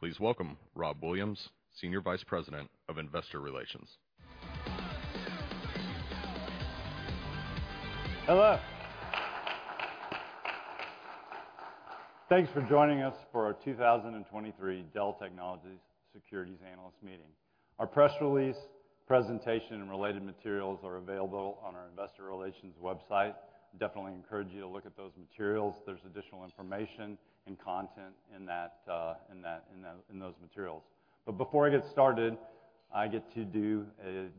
Please welcome Robert Williams, Senior Vice President of Investor Relations. Hello! Thanks for joining us for our 2023 Dell Technologies Securities Analyst Meeting. Our press release, presentation, and related materials are available on our investor relations website. Definitely encourage you to look at those materials. There's additional information and content in those materials. But before I get started, I get to do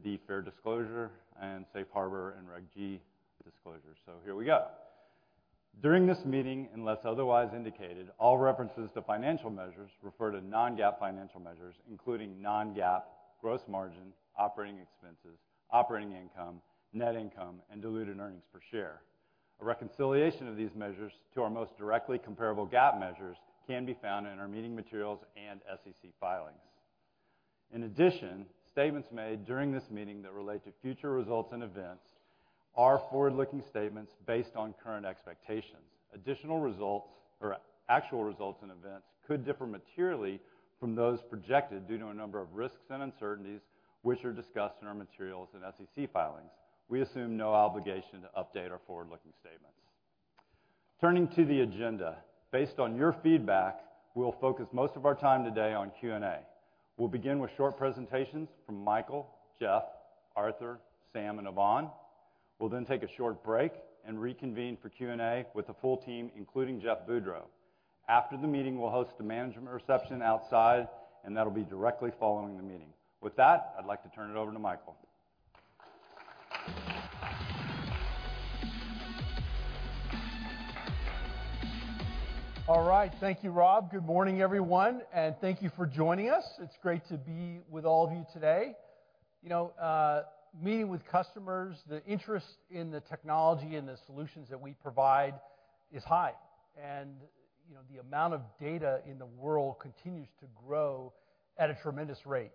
the fair disclosure and safe harbor and Reg G disclosure. So here we go. During this meeting, unless otherwise indicated, all references to financial measures refer to non-GAAP financial measures, including non-GAAP gross margin, operating expenses, operating income, net income, and diluted earnings per share. A reconciliation of these measures to our most directly comparable GAAP measures can be found in our meeting materials and SEC filings. In addition, statements made during this meeting that relate to future results and events are forward-looking statements based on current expectations. Additional results or actual results and events could differ materially from those projected due to a number of risks and uncertainties, which are discussed in our materials and SEC filings. We assume no obligation to update our forward-looking statements. Turning to the agenda. Based on your feedback, we will focus most of our time today on Q&A. We'll begin with short presentations from Michael, Jeff, Arthur, Sam, and Yvonne. We'll then take a short break and reconvene for Q&A with the full team, including Jeff Boudreau. After the meeting, we'll host a management reception outside, and that'll be directly following the meeting. With that, I'd like to turn it over to Michael. All right. Thank you, Rob. Good morning, everyone, and thank you for joining us. It's great to be with all of you today. You know, meeting with customers, the interest in the technology and the solutions that we provide is high, and, you know, the amount of data in the world continues to grow at a tremendous rate.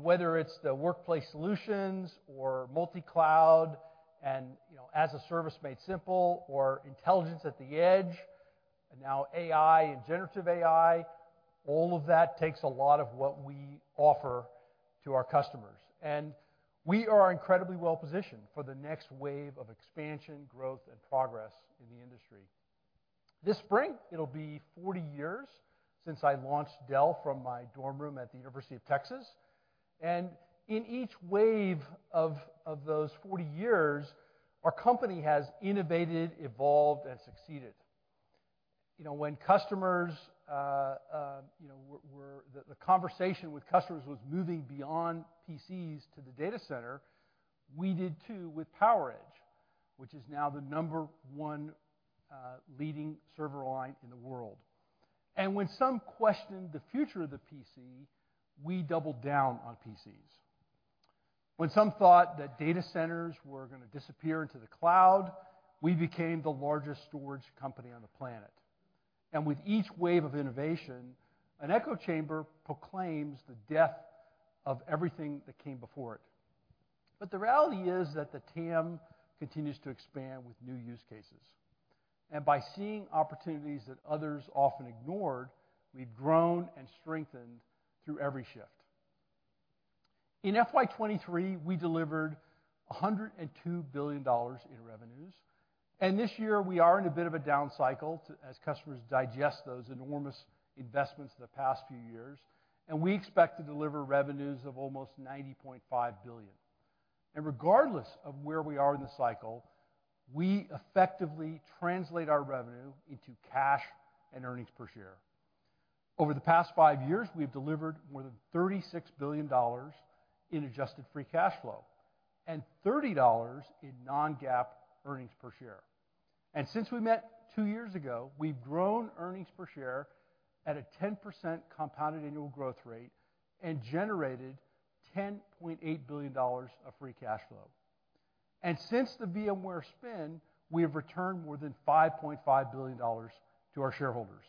Whether it's the workplace solutions or multi-cloud and, you know, as-a-service made simple or intelligence at the edge, and now AI and generative AI, all of that takes a lot of what we offer to our customers. We are incredibly well positioned for the next wave of expansion, growth, and progress in the industry. This spring, it'll be 40 years since I launched Dell from my dorm room at the University of Texas, and in each wave of those 40 years, our company has innovated, evolved, and succeeded. You know, when customers were... The conversation with customers was moving beyond PCs to the data center, we did, too, with PowerEdge, which is now the number one leading server line in the world. And when some questioned the future of the PC, we doubled down on PCs. When some thought that data centers were going to disappear into the cloud, we became the largest storage company on the planet. And with each wave of innovation, an echo chamber proclaims the death of everything that came before it. But the reality is that the TAM continues to expand with new use cases, and by seeing opportunities that others often ignored, we've grown and strengthened through every shift. In FY 2023, we delivered $102 billion in revenues, and this year we are in a bit of a down cycle too, as customers digest those enormous investments in the past few years, and we expect to deliver revenues of almost $90.5 billion. Regardless of where we are in the cycle, we effectively translate our revenue into cash and earnings per share. Over the past five years, we've delivered more than $36 billion in adjusted free cash flow and $30 in non-GAAP earnings per share. Since we met two years ago, we've grown earnings per share at a 10% compounded annual growth rate and generated $10.8 billion of free cash flow. Since the VMware spin, we have returned more than $5.5 billion to our shareholders.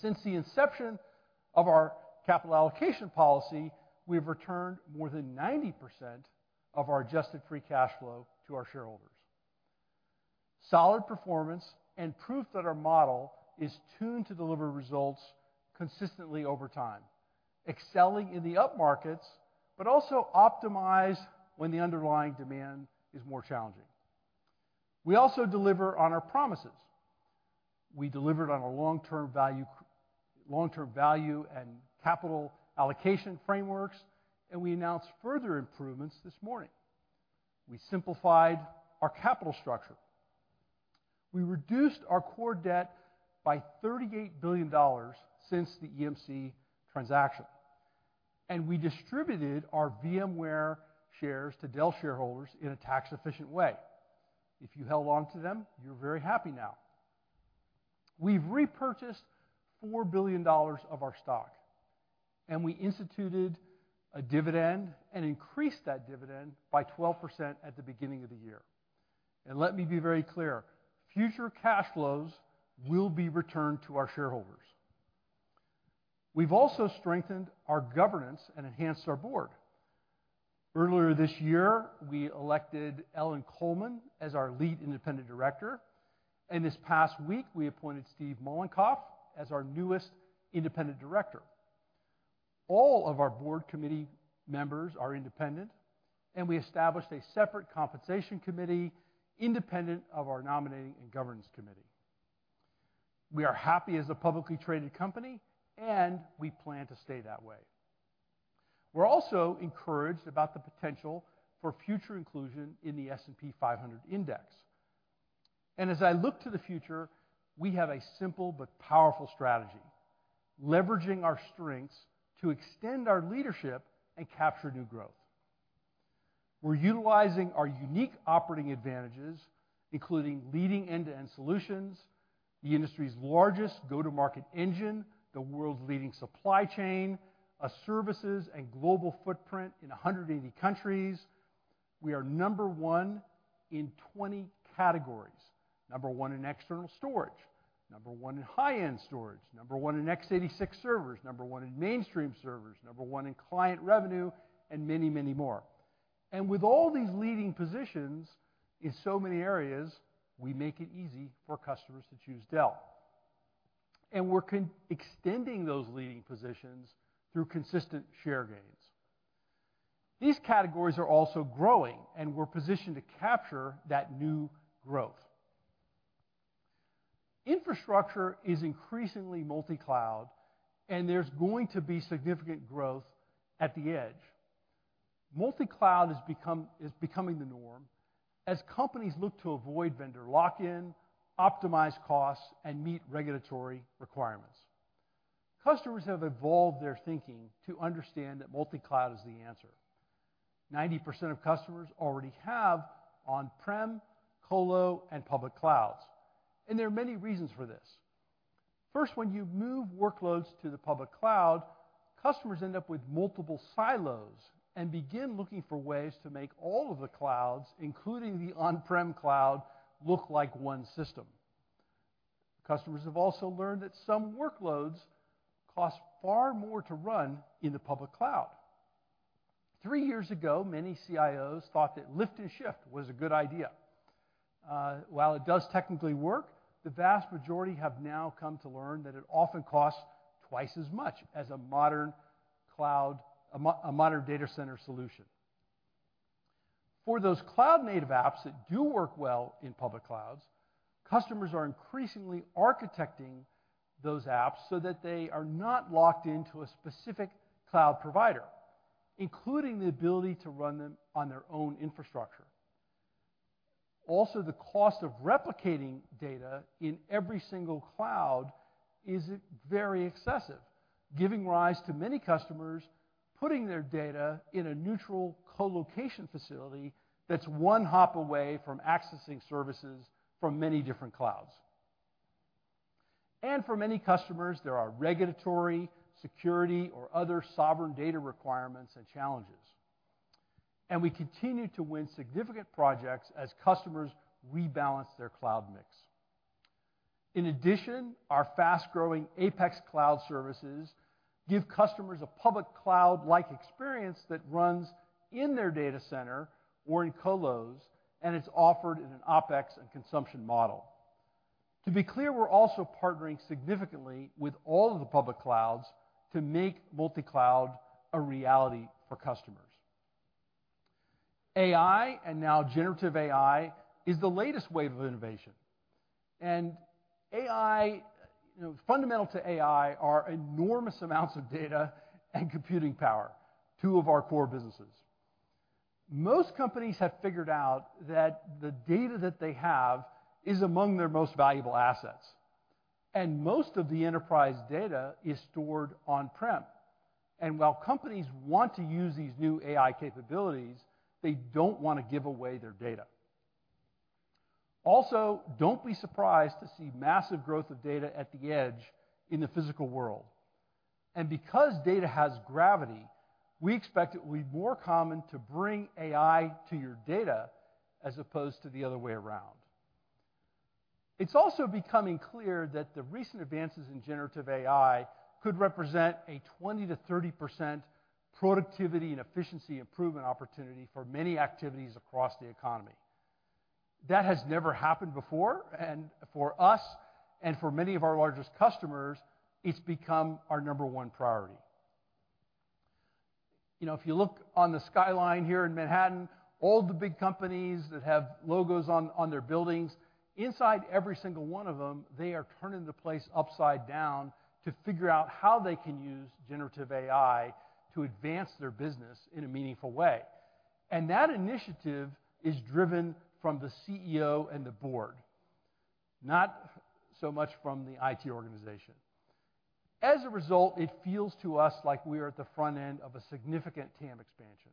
Since the inception of our capital allocation policy, we have returned more than 90% of our adjusted free cash flow to our shareholders. Solid performance and proof that our model is tuned to deliver results consistently over time, excelling in the up markets, but also optimize when the underlying demand is more challenging. We also deliver on our promises. We delivered on our long-term value, long-term value, and capital allocation frameworks, and we announced further improvements this morning. We simplified our capital structure. We reduced our core debt by $38 billion since the EMC transaction, and we distributed our VMware shares to Dell shareholders in a tax-efficient way. If you held on to them, you're very happy now. We've repurchased $4 billion of our stock, and we instituted a dividend and increased that dividend by 12% at the beginning of the year. Let me be very clear, future cash flows will be returned to our shareholders. We've also strengthened our governance and enhanced our board. Earlier this year, we elected Ellen Kullman as our lead independent director, and this past week, we appointed Steve Mollenkopf as our newest independent director. All of our board committee members are independent, and we established a separate compensation committee, independent of our nominating and governance committee. We are happy as a publicly traded company, and we plan to stay that way. We're also encouraged about the potential for future inclusion in the S&P 500 Index. As I look to the future, we have a simple but powerful strategy: leveraging our strengths to extend our leadership and capture new growth. We're utilizing our unique operating advantages, including leading end-to-end solutions, the industry's largest go-to-market engine, the world's leading supply chain, a services and global footprint in 180 countries. We are number one in 20 categories. Number one in external storage, number one in high-end storage, number one in x86 servers, number one in mainstream servers, number one in client revenue, and many, many more. And with all these leading positions in so many areas, we make it easy for customers to choose Dell. And we're continuing to extend those leading positions through consistent share gains. These categories are also growing, and we're positioned to capture that new growth. Infrastructure is increasingly multi-cloud, and there's going to be significant growth at the edge. Multi-cloud is becoming the norm as companies look to avoid vendor lock-in, optimize costs, and meet regulatory requirements. Customers have evolved their thinking to understand that multi-cloud is the answer. 90% of customers already have on-prem, colo, and public clouds, and there are many reasons for this. First, when you move workloads to the public cloud, customers end up with multiple silos and begin looking for ways to make all of the clouds, including the on-prem cloud, look like one system. Customers have also learned that some workloads cost far more to run in the public cloud. Three years ago, many CIOs thought that lift and shift was a good idea. While it does technically work, the vast majority have now come to learn that it often costs twice as much as a modern cloud, a modern data center solution. For those cloud-native apps that do work well in public clouds, customers are increasingly architecting those apps so that they are not locked into a specific cloud provider, including the ability to run them on their own infrastructure. Also, the cost of replicating data in every single cloud is very excessive, giving rise to many customers putting their data in a neutral colocation facility that's one hop away from accessing services from many different clouds. For many customers, there are regulatory, security, or other sovereign data requirements and challenges. We continue to win significant projects as customers rebalance their cloud mix. In addition, our fast-growing APEX cloud services give customers a public cloud-like experience that runs in their data center or in colos, and it's offered in an APEX and consumption model. To be clear, we're also partnering significantly with all of the public clouds to make multi-cloud a reality for customers. AI, and now generative AI, is the latest wave of innovation, and AI, you know, fundamental to AI are enormous amounts of data and computing power, two of our core businesses. Most companies have figured out that the data that they have is among their most valuable assets, and most of the enterprise data is stored on-prem. And while companies want to use these new AI capabilities, they don't want to give away their data. Also, don't be surprised to see massive growth of data at the edge in the physical world. And because data has gravity, we expect it will be more common to bring AI to your data as opposed to the other way around. It's also becoming clear that the recent advances in generative AI could represent a 20%-30% productivity and efficiency improvement opportunity for many activities across the economy. That has never happened before, and for us and for many of our largest customers, it's become our number one priority. You know, if you look on the skyline here in Manhattan, all the big companies that have logos on their buildings, inside every single one of them, they are turning the place upside down to figure out how they can use generative AI to advance their business in a meaningful way. And that initiative is driven from the CEO and the board, not so much from the IT organization. As a result, it feels to us like we are at the front end of a significant TAM expansion.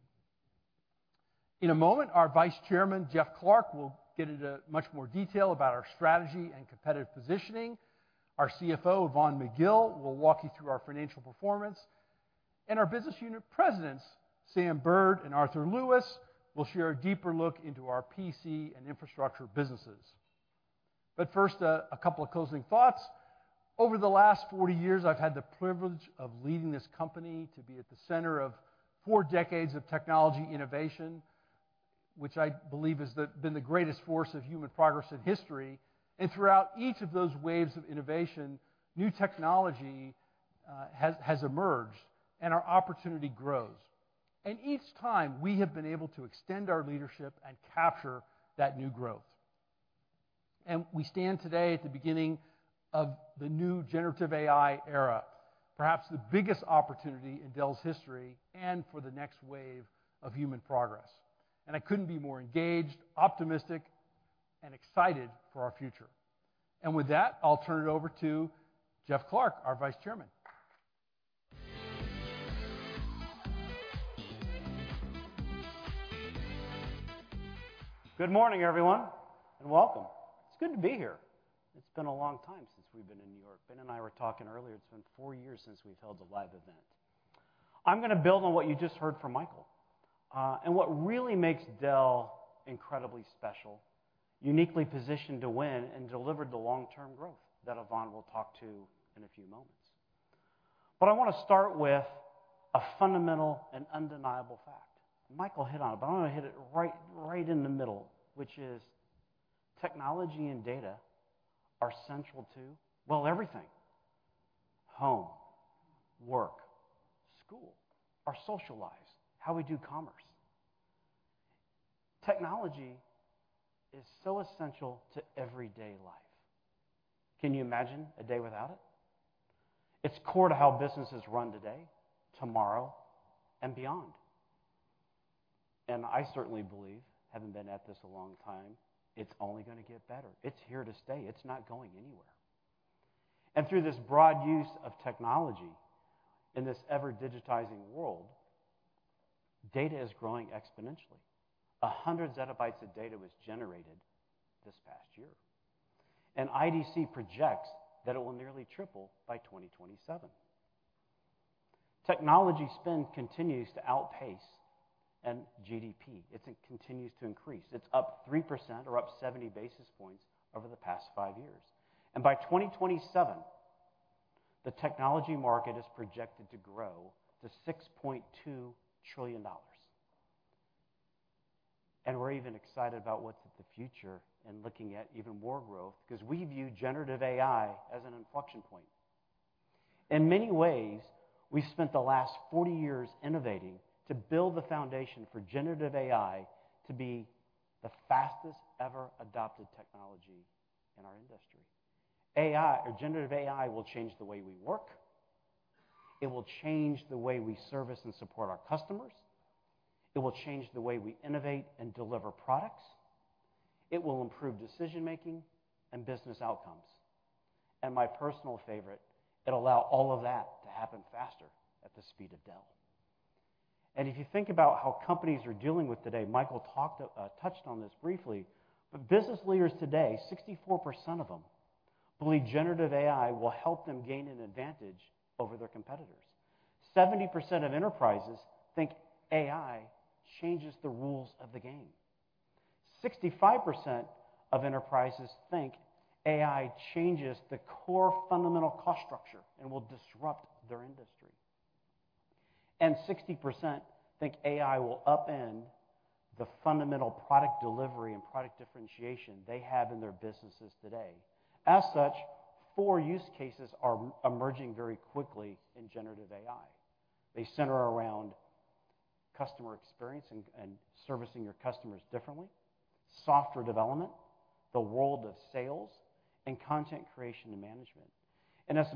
In a moment, our Vice Chairman, Jeff Clarke, will get into much more detail about our strategy and competitive positioning. Our CFO, Yvonne McGill, will walk you through our financial performance, and our business unit presidents, Sam Burd and Arthur Lewis, will share a deeper look into our PC and infrastructure businesses. But first, a couple of closing thoughts. Over the last 40 years, I've had the privilege of leading this company to be at the center of four decades of technology innovation, which I believe is the, been the greatest force of human progress in history. And throughout each of those waves of innovation, new technology has emerged and our opportunity grows. And each time, we have been able to extend our leadership and capture that new growth. We stand today at the beginning of the new generative AI era, perhaps the biggest opportunity in Dell's history and for the next wave of human progress, and I couldn't be more engaged, optimistic, and excited for our future. With that, I'll turn it over to Jeff Clarke, our Vice Chairman. Good morning, everyone, and welcome. It's good to be here. It's been a long time since we've been in New York. Ben and I were talking earlier. It's been four years since we've held a live event. I'm going to build on what you just heard from Michael and what really makes Dell incredibly special, uniquely positioned to win and deliver the long-term growth that Yvonne will talk to in a few moments. But I want to start with a fundamental and undeniable fact. Michael hit on it, but I want to hit it right, right in the middle, which is technology and data are central to, well, everything, home, work, school, our social lives, how we do commerce. Technology is so essential to everyday life. Can you imagine a day without it? It's core to how business is run today, tomorrow, and beyond. I certainly believe, having been at this a long time, it's only going to get better. It's here to stay. It's not going anywhere. Through this broad use of technology in this ever-digitizing world, data is growing exponentially. 100 zettabytes of data was generated this past year, and IDC projects that it will nearly triple by 2027. Technology spend continues to outpace and GDP, it continues to increase. It's up 3% or up 70 basis points over the past five years. By 2027, the technology market is projected to grow to $6.2 trillion. We're even excited about what's at the future and looking at even more growth because we view generative AI as an inflection point. In many ways, we've spent the last 40 years innovating to build the foundation for generative AI to be the fastest ever adopted technology in our industry. AI or generative AI will change the way we work, it will change the way we service and support our customers, it will change the way we innovate and deliver products, it will improve decision-making and business outcomes. And my personal favorite, it'll allow all of that to happen faster at the speed of Dell. And if you think about how companies are dealing with today, Michael talked, touched on this briefly, but business leaders today, 64% of them believe generative AI will help them gain an advantage over their competitors. 70% of enterprises think AI changes the rules of the game. 65% of enterprises think AI changes the core fundamental cost structure and will disrupt their industry. 60% think AI will upend the fundamental product delivery and product differentiation they have in their businesses today. As such, four use cases are emerging very quickly in generative AI. They center around customer experience and, and servicing your customers differently, software development, the world of sales, and content creation and management. And as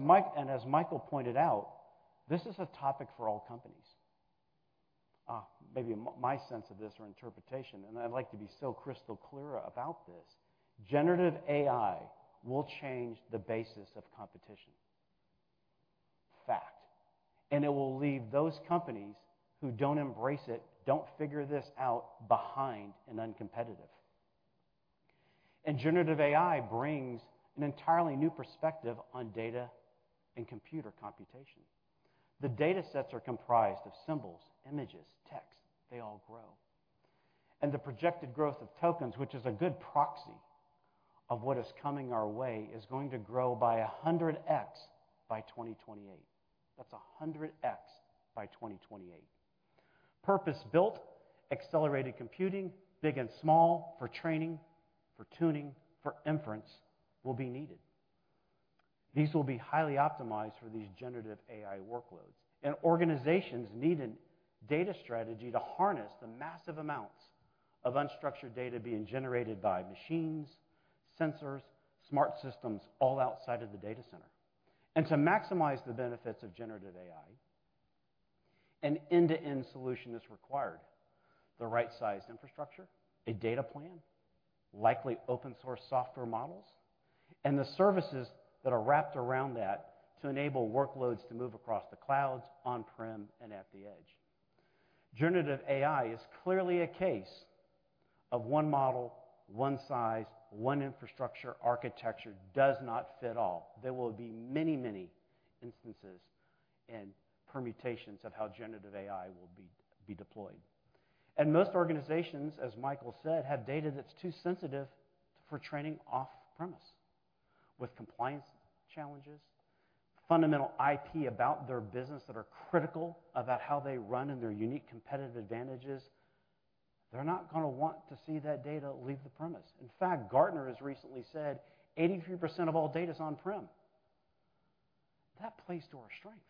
Michael pointed out, this is a topic for all companies. Maybe my sense of this or interpretation, and I'd like to be so crystal clear about this, generative AI will change the basis of competition. Fact. And it will leave those companies who don't embrace it, don't figure this out, behind and uncompetitive. And generative AI brings an entirely new perspective on data and computer computation. The data sets are comprised of symbols, images, text, they all grow. And the projected growth of tokens, which is a good proxy of what is coming our way, is going to grow by 100x by 2028. That's 100x by 2028. Purpose-built, accelerated computing, big and small, for training, for tuning, for inference, will be needed. These will be highly optimized for these generative AI workloads. And organizations need a data strategy to harness the massive amounts of unstructured data being generated by machines, sensors, smart systems, all outside of the data center. And to maximize the benefits of generative AI, an end-to-end solution is required, the right sized infrastructure, a data plan, likely open source software models, and the services that are wrapped around that to enable workloads to move across the clouds, on-prem, and at the edge. Generative AI is clearly a case of one model, one size, one infrastructure architecture does not fit all. There will be many, many instances and permutations of how generative AI will be deployed... Most organizations, as Michael said, have data that's too sensitive for training off-premise. With compliance challenges, fundamental IP about their business that are critical about how they run and their unique competitive advantages, they're not going to want to see that data leave the premise. In fact, Gartner has recently said 83% of all data is on-prem. That plays to our strength.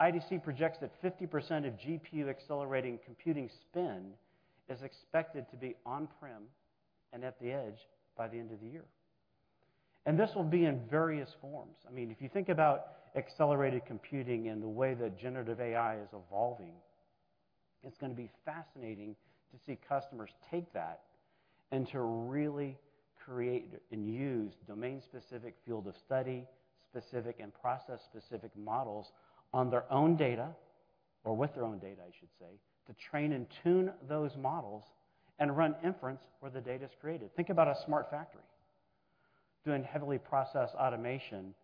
IDC projects that 50% of GPU-accelerating computing spend is expected to be on-prem and at the edge by the end of the year. This will be in various forms. I mean, if you think about accelerated computing and the way that generative AI is evolving, it's going to be fascinating to see customers take that and to really create and use domain-specific, field-of-study specific, and process-specific models on their own data, or with their own data, I should say, to train and tune those models and run inference where the data is created. Think about a smart factory doing heavily processed automation,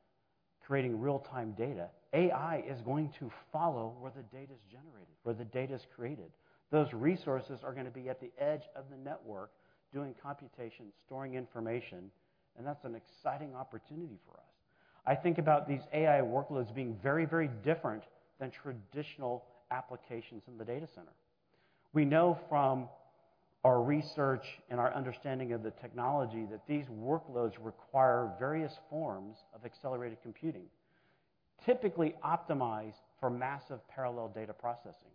creating real-time data. AI is going to follow where the data is generated, where the data is created. Those resources are going to be at the edge of the network, doing computation, storing information, and that's an exciting opportunity for us. I think about these AI workloads being very, very different than traditional applications in the data center. We know from our research and our understanding of the technology, that these workloads require various forms of accelerated computing, typically optimized for massive parallel data processing.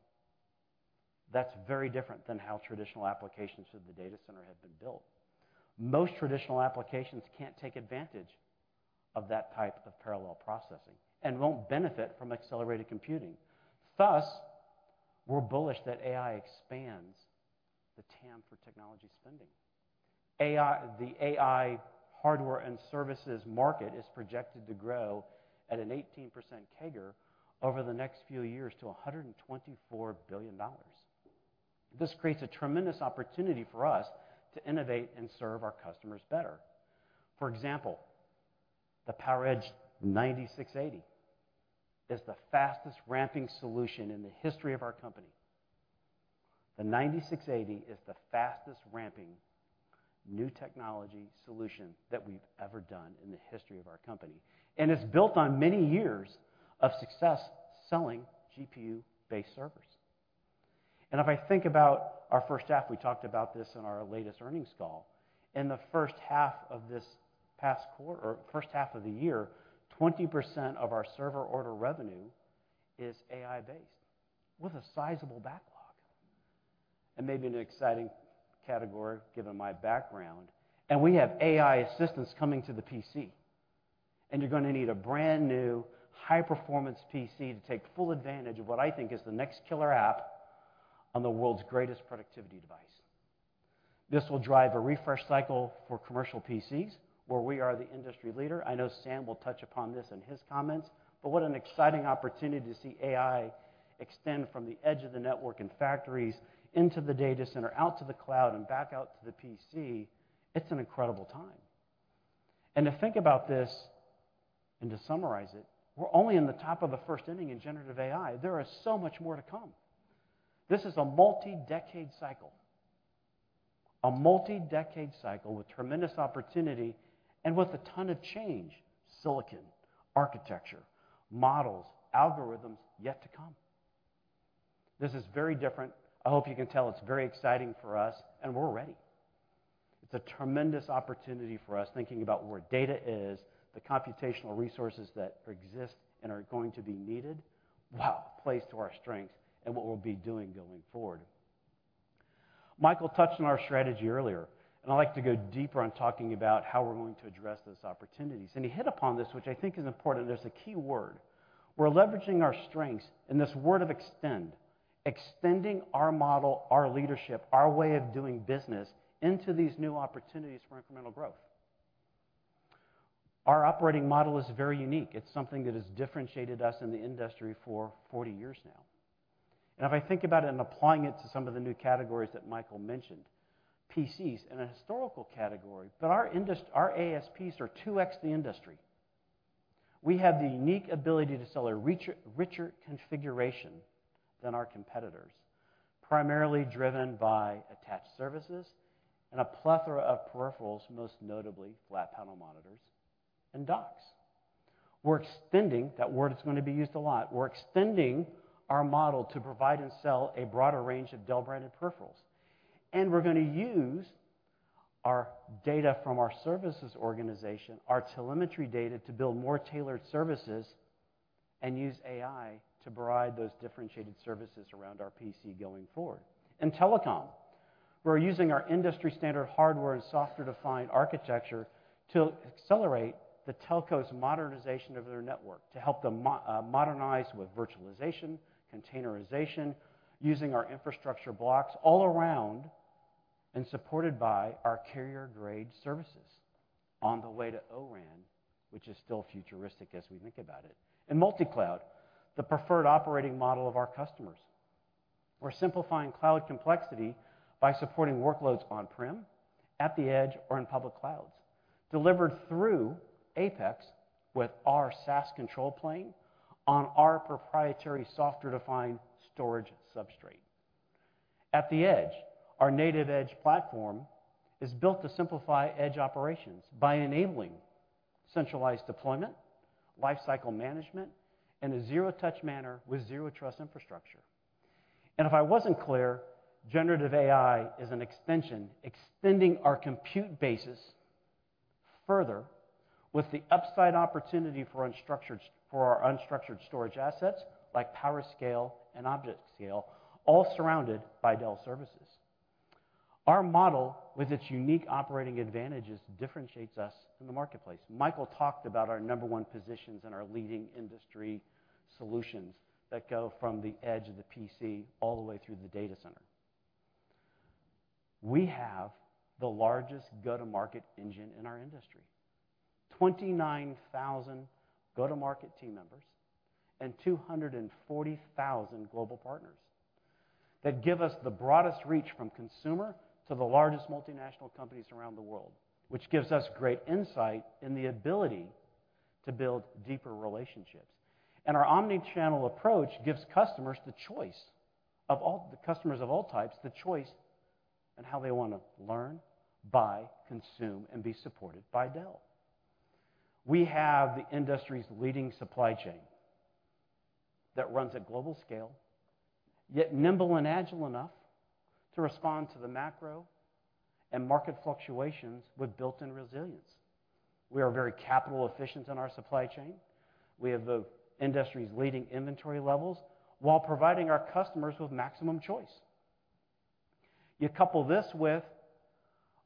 That's very different than how traditional applications of the data center have been built. Most traditional applications can't take advantage of that type of parallel processing and won't benefit from accelerated computing. Thus, we're bullish that AI expands the TAM for technology spending. AI. The AI hardware and services market is projected to grow at an 18% CAGR over the next few years to $124 billion. This creates a tremendous opportunity for us to innovate and serve our customers better. For example, the PowerEdge 9680 is the fastest-ramping solution in the history of our company. The 9680 is the fastest-ramping new technology solution that we've ever done in the history of our company, and it's built on many years of success selling GPU-based servers. If I think about our first half, we talked about this in our latest earnings call. In the first half of this past quarter, or first half of the year, 20% of our server order revenue is AI-based, with a sizable backlog. Maybe an exciting category, given my background, and we have AI assistants coming to the PC, and you're going to need a brand-new, high-performance PC to take full advantage of what I think is the next killer app on the world's greatest productivity device. This will drive a refresh cycle for commercial PCs, where we are the industry leader. I know Sam will touch upon this in his comments, but what an exciting opportunity to see AI extend from the edge of the network and factories into the data center, out to the cloud, and back out to the PC. It's an incredible time. To think about this, and to summarize it, we're only in the top of the first inning in generative AI. There is so much more to come. This is a multi-decade cycle, a multi-decade cycle with tremendous opportunity and with a ton of change: silicon, architecture, models, algorithms yet to come. This is very different. I hope you can tell it's very exciting for us, and we're ready. It's a tremendous opportunity for us, thinking about where data is, the computational resources that exist and are going to be needed. Wow, plays to our strengths and what we'll be doing going forward. Michael touched on our strategy earlier, and I'd like to go deeper on talking about how we're going to address those opportunities. He hit upon this, which I think is important. There's a key word. We're leveraging our strengths and this word of extend, extending our model, our leadership, our way of doing business into these new opportunities for incremental growth. Our operating model is very unique. It's something that has differentiated us in the industry for 40 years now. If I think about it and applying it to some of the new categories that Michael mentioned, PCs in a historical category, but our industry, our ASPs are 2x the industry. We have the unique ability to sell a richer configuration than our competitors, primarily driven by attached services and a plethora of peripherals, most notably flat panel monitors and docks. We're extending, that word is going to be used a lot, we're extending our model to provide and sell a broader range of Dell-branded peripherals. And we're going to use our data from our services organization, our telemetry data, to build more tailored services and use AI to provide those differentiated services around our PC going forward. In telecom, we're using our industry-standard hardware and software-defined architecture to accelerate the telco's modernization of their network, to help them modernize with virtualization, containerization, using our Infrastructure Blocks all around and supported by our carrier-grade services on the way to O-RAN, which is still futuristic as we think about it. In multi-cloud, the preferred operating model of our customers. We're simplifying cloud complexity by supporting workloads on-prem, at the edge, or in public clouds, delivered through APEX with our SaaS control plane on our proprietary software-defined storage substrate. At the edge, our NativeEdge platform is built to simplify edge operations by enabling centralized deployment, lifecycle management, and a zero-touch manner with zero trust infrastructure. If I wasn't clear, generative AI is an extension, extending our compute basis further with the upside opportunity for unstructured, for our unstructured storage assets like PowerScale and ObjectScale, all surrounded by Dell Services. Our model, with its unique operating advantages, differentiates us in the marketplace. Michael talked about our number one positions and our leading industry solutions that go from the edge of the PC all the way through the data center. We have the largest go-to-market engine in our industry. 29,000 go-to-market team members and 240,000 global partners that give us the broadest reach from consumer to the largest multinational companies around the world, which gives us great insight and the ability to build deeper relationships. Our omni-channel approach gives customers the choice of all the customers of all types, the choice on how they want to learn, buy, consume, and be supported by Dell. We have the industry's leading supply chain that runs at global scale, yet nimble and agile enough to respond to the macro and market fluctuations with built-in resilience. We are very capital efficient in our supply chain. We have the industry's leading inventory levels while providing our customers with maximum choice. You couple this with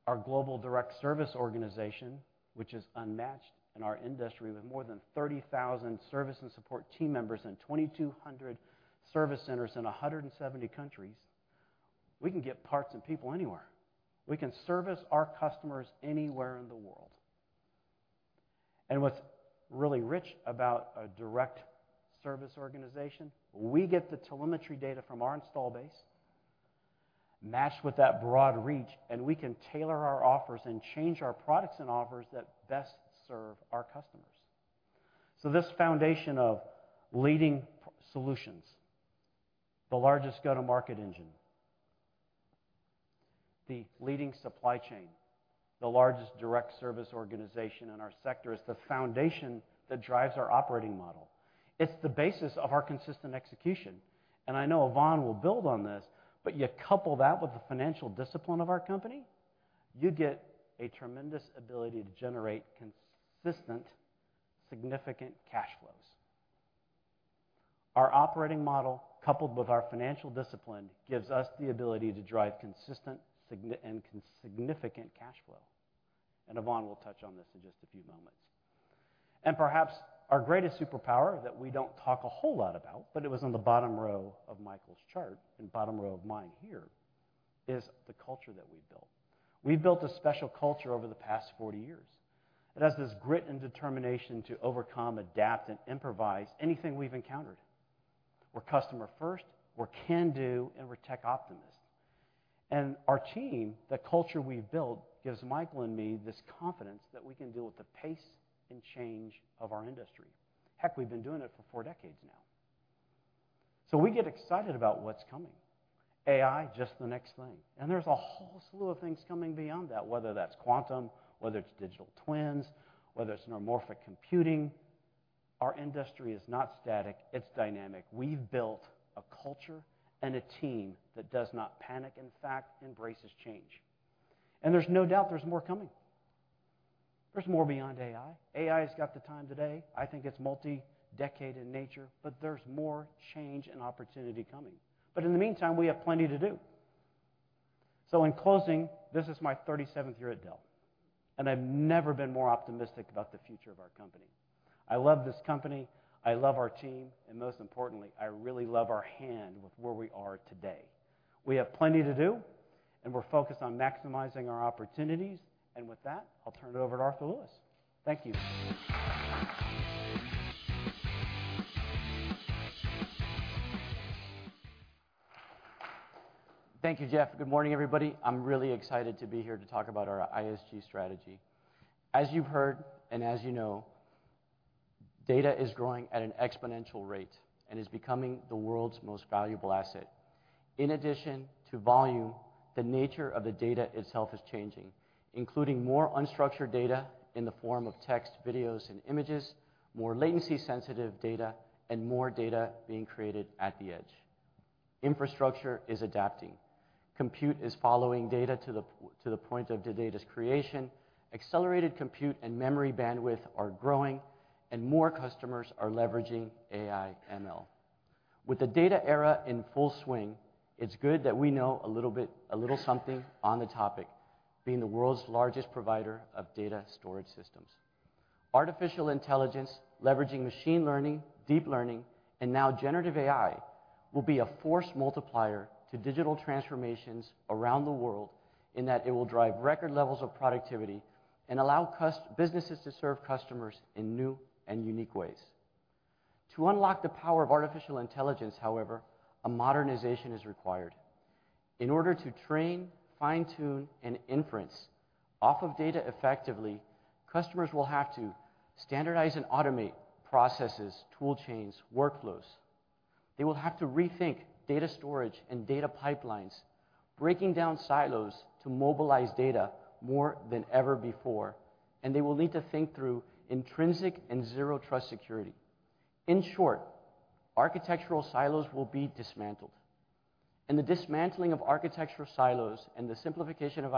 our global direct service organization, which is unmatched in our industry, with more than 30,000 service and support team members in 2,200 service centers in 170 countries, we can get parts and people anywhere. We can service our customers anywhere in the world. What's really rich about a direct service organization, we get the telemetry data from our install base matched with that broad reach, and we can tailor our offers and change our products and offers that best serve our customers. This foundation of leading solutions, the largest go-to-market engine, the leading supply chain, the largest direct service organization in our sector, is the foundation that drives our operating model. It's the basis of our consistent execution, and I know Yvonne will build on this, but you couple that with the financial discipline of our company, you get a tremendous ability to generate consistent, significant cash flows. Our operating model, coupled with our financial discipline, gives us the ability to drive consistent and significant cash flow. And Yvonne will touch on this in just a few moments. And perhaps our greatest superpower that we don't talk a whole lot about, but it was on the bottom row of Michael's chart, and bottom row of mine here, is the culture that we've built. We've built a special culture over the past 40 years. It has this grit and determination to overcome, adapt, and improvise anything we've encountered. We're customer-first, we're can-do, and we're tech optimists. And our team, the culture we've built, gives Michael and me this confidence that we can deal with the pace and change of our industry. Heck, we've been doing it for four decades now. So we get excited about what's coming. AI, just the next thing. And there's a whole slew of things coming beyond that, whether that's quantum, whether it's digital twins, whether it's neuromorphic computing. Our industry is not static, it's dynamic. We've built a culture and a team that does not panic, in fact, embraces change. And there's no doubt there's more coming. There's more beyond AI. AI has got the time today. I think it's multi-decade in nature, but there's more change and opportunity coming. But in the meantime, we have plenty to do. So in closing, this is my thirty-seventh year at Dell, and I've never been more optimistic about the future of our company. I love this company, I love our team, and most importantly, I really love our hand with where we are today. We have plenty to do, and we're focused on maximizing our opportunities. With that, I'll turn it over to Arthur Lewis. Thank you. Thank you, Jeff. Good morning, everybody. I'm really excited to be here to talk about our ISG strategy. As you've heard, and as you know, data is growing at an exponential rate and is becoming the world's most valuable asset. In addition to volume, the nature of the data itself is changing, including more unstructured data in the form of text, videos, and images, more latency-sensitive data, and more data being created at the edge. Infrastructure is adapting. Compute is following data to the point of the data's creation. Accelerated compute and memory bandwidth are growing, and more customers are leveraging AI/ML. With the data era in full swing, it's good that we know a little bit, a little something on the topic, being the world's largest provider of data storage systems. Artificial intelligence, leveraging machine learning, deep learning, and now generative AI, will be a force multiplier to digital transformations around the world, in that it will drive record levels of productivity and allow businesses to serve customers in new and unique ways. To unlock the power of artificial intelligence, however, a modernization is required. In order to train, fine-tune, and inference off of data effectively, customers will have to standardize and automate processes, tool chains, workflows. They will have to rethink data storage and data pipelines, breaking down silos to mobilize data more than ever before, and they will need to think through intrinsic and zero-trust security. In short, architectural silos will be dismantled, and the dismantling of architectural silos and the simplification of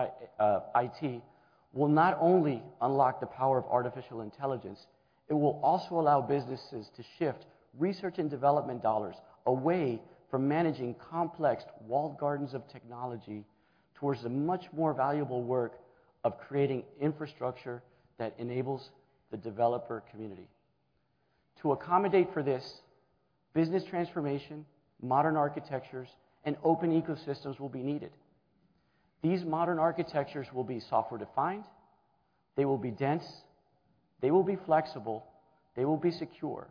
IT will not only unlock the power of artificial intelligence, it will also allow businesses to shift research and development dollars away from managing complex walled gardens of technology, towards the much more valuable work of creating infrastructure that enables the developer community. To accommodate for this, business transformation, modern architectures, and open ecosystems will be needed. These modern architectures will be software-defined, they will be dense, they will be flexible, they will be secure,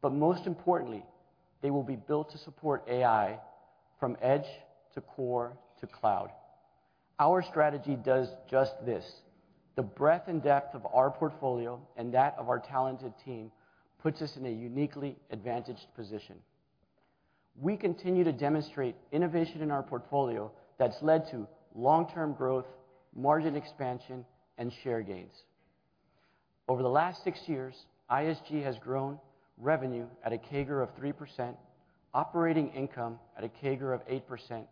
but most importantly, they will be built to support AI from edge, to core, to cloud. Our strategy does just this. The breadth and depth of our portfolio and that of our talented team, puts us in a uniquely advantaged position. We continue to demonstrate innovation in our portfolio that's led to long-term growth, margin expansion, and share gains. Over the last six years, ISG has grown revenue at a CAGR of 3%, operating income at a CAGR of 8%,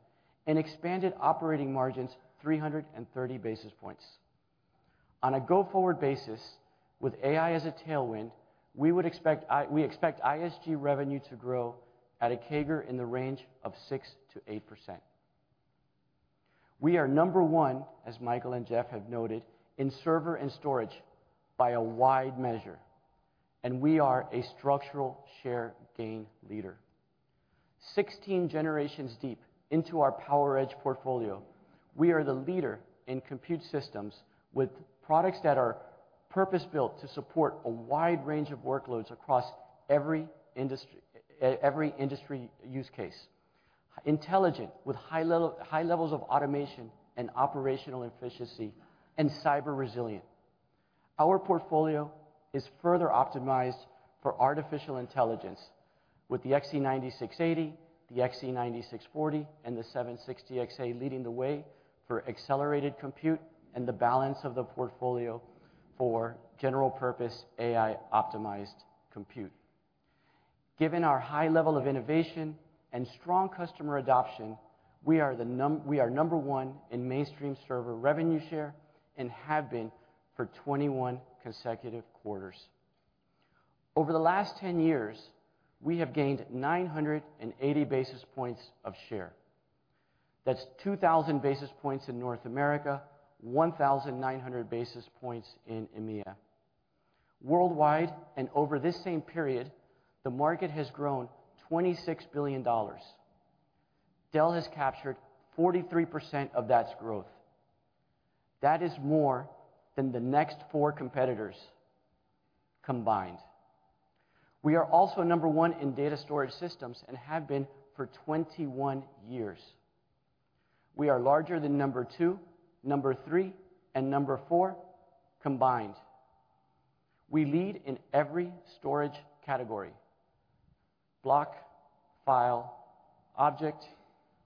and expanded operating margins three hundred and thirty basis points. On a go-forward basis, with AI as a tailwind, we expect ISG revenue to grow at a CAGR in the range of 6%-8%. We are number one, as Michael and Jeff have noted, in server and storage by a wide measure, and we are a structural share gain leader. 16 generations deep into our PowerEdge portfolio, we are the leader in compute systems with products that are purpose-built to support a wide range of workloads across every industry use case. Intelligent, with high levels of automation and operational efficiency, and cyber resilient. Our portfolio is further optimized for artificial intelligence with the XE9680, the XE9640, and the 760xa leading the way for accelerated compute and the balance of the portfolio for general-purpose AI-optimized compute. Given our high level of innovation and strong customer adoption, we are number one in mainstream server revenue share and have been for 21 consecutive quarters. Over the last 10 years, we have gained 980 basis points of share. That's 2,000 basis points in North America, 1,900 basis points in EMEA. Worldwide, and over this same period, the market has grown $26 billion. Dell has captured 43% of that growth. That is more than the next four competitors combined. We are also number 1 in data storage systems and have been for 21 years. We are larger than number 2, number 3, and number 4 combined. We lead in every storage category: block, file, object,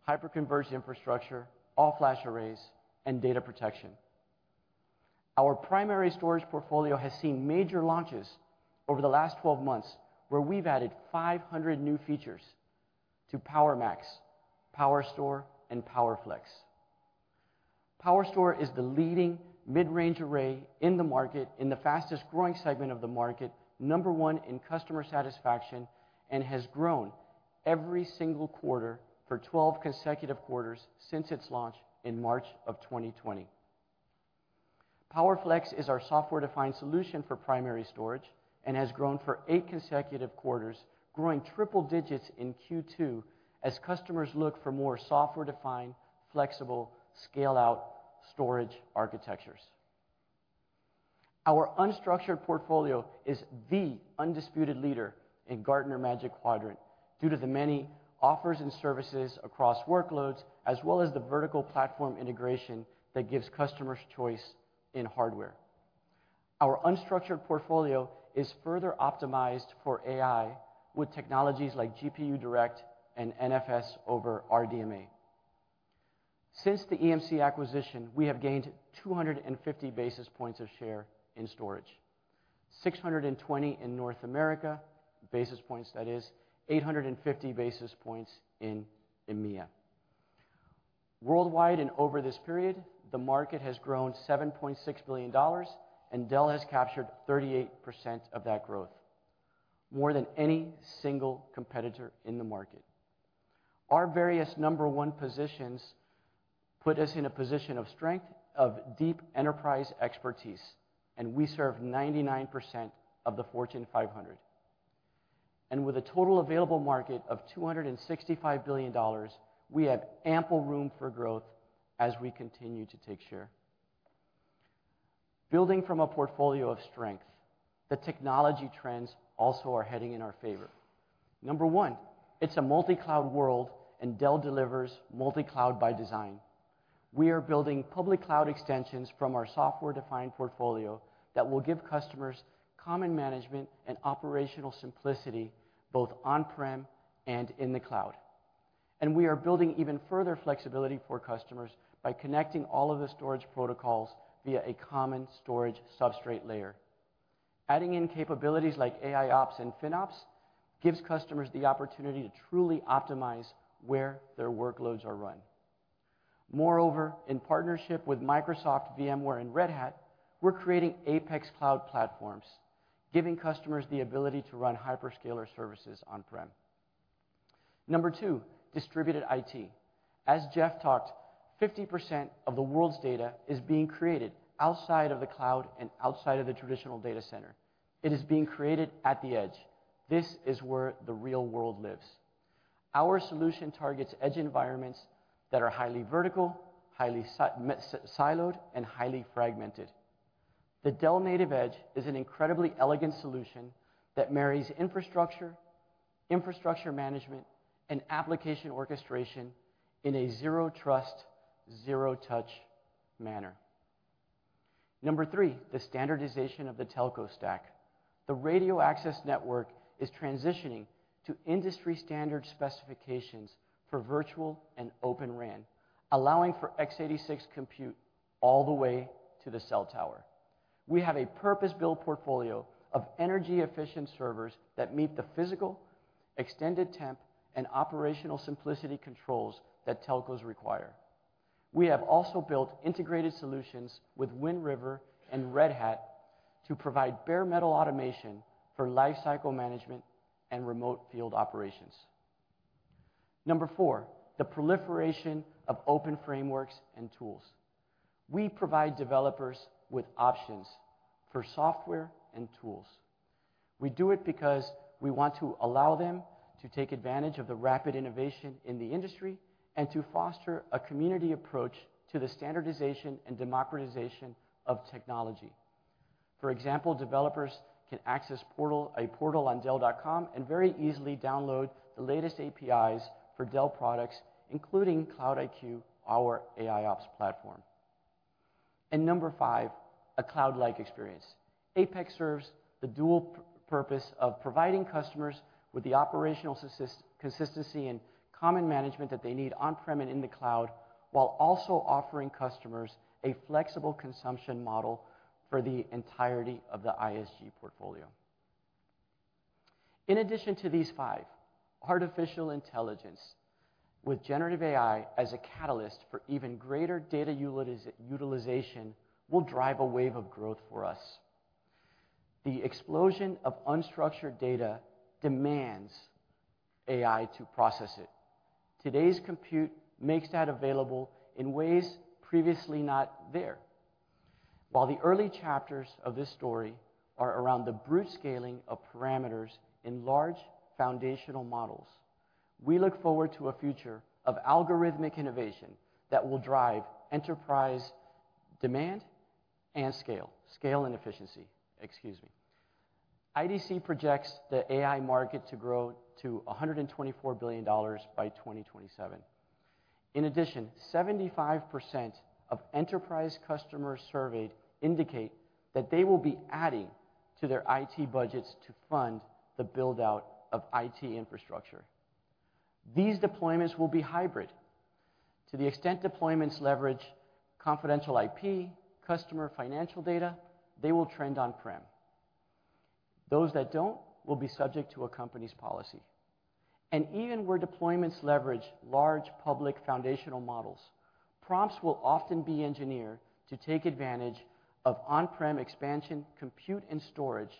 hyperconverged infrastructure, all-flash arrays, and data protection. Our primary storage portfolio has seen major launches over the last 12 months, where we've added 500 new features to PowerMax, PowerStore, and PowerFlex. PowerStore is the leading mid-range array in the market, in the fastest-growing segment of the market, number 1 in customer satisfaction, and has grown every single quarter for 12 consecutive quarters since its launch in March 2020. PowerFlex is our software-defined solution for primary storage and has grown for 8 consecutive quarters, growing triple digits in Q2 as customers look for more software-defined, flexible, scale-out storage architectures. Our unstructured portfolio is the undisputed leader in the Gartner Magic Quadrant, due to the many offers and services across workloads, as well as the vertical platform integration that gives customers choice in hardware. Our unstructured portfolio is further optimized for AI, with technologies like GPUDirect and NFS over RDMA. Since the EMC acquisition, we have gained 250 basis points of share in storage, 620 in North America, basis points that is, 850 basis points in EMEA. Worldwide, and over this period, the market has grown $7.6 billion, and Dell has captured 38% of that growth, more than any single competitor in the market. Our various number one positions put us in a position of strength, of deep enterprise expertise, and we serve 99% of the Fortune 500. And with a total available market of $265 billion, we have ample room for growth as we continue to take share. Building from a portfolio of strength, the technology trends also are heading in our favor. Number one, it's a multi-cloud world, and Dell delivers multi-cloud by design. We are building public cloud extensions from our software-defined portfolio that will give customers common management and operational simplicity, both on-prem and in the cloud. And we are building even further flexibility for customers by connecting all of the storage protocols via a common storage substrate layer. Adding in capabilities like AIOps and FinOps gives customers the opportunity to truly optimize where their workloads are run. Moreover, in partnership with Microsoft, VMware, and Red Hat, we're creating APEX Cloud Platforms, giving customers the ability to run hyperscaler services on-prem. Number two, distributed IT. As Jeff talked, 50% of the world's data is being created outside of the cloud and outside of the traditional data center. It is being created at the edge. This is where the real world lives. Our solution targets edge environments that are highly vertical, highly siloed, and highly fragmented. The Dell NativeEdge is an incredibly elegant solution that marries infrastructure, infrastructure management, and application orchestration in a zero trust, zero touch manner. Number three, the standardization of the telco stack. The radio access network is transitioning to industry standard specifications for virtual and Open RAN, allowing for x86 compute all the way to the cell tower. We have a purpose-built portfolio of energy-efficient servers that meet the physical, extended temp, and operational simplicity controls that telcos require. We have also built integrated solutions with Wind River and Red Hat to provide bare metal automation for lifecycle management and remote field operations. Number four, the proliferation of open frameworks and tools. We provide developers with options for software and tools. We do it because we want to allow them to take advantage of the rapid innovation in the industry, and to foster a community approach to the standardization and democratization of technology. For example, developers can access portal, a portal on Dell.com and very easily download the latest APIs for Dell products, including CloudIQ, our AIOps platform. And number five, a cloud-like experience. APEX serves the dual purpose of providing customers with the operational consistency and common management that they need on-prem and in the cloud, while also offering customers a flexible consumption model for the entirety of the ISG portfolio. In addition to these five, artificial intelligence, with generative AI as a catalyst for even greater data utilization, will drive a wave of growth for us. The explosion of unstructured data demands AI to process it. Today's compute makes that available in ways previously not there. While the early chapters of this story are around the brute scaling of parameters in large foundational models, we look forward to a future of algorithmic innovation that will drive enterprise demand and scale. Scale and efficiency, excuse me. IDC projects the AI market to grow to $124 billion by 2027. In addition, 75% of enterprise customers surveyed indicate that they will be adding to their IT budgets to fund the build-out of IT infrastructure. These deployments will be hybrid. To the extent deployments leverage confidential IP, customer financial data, they will trend on-prem. Those that don't will be subject to a company's policy. Even where deployments leverage large public foundational models, prompts will often be engineered to take advantage of on-prem expansion, compute, and storage,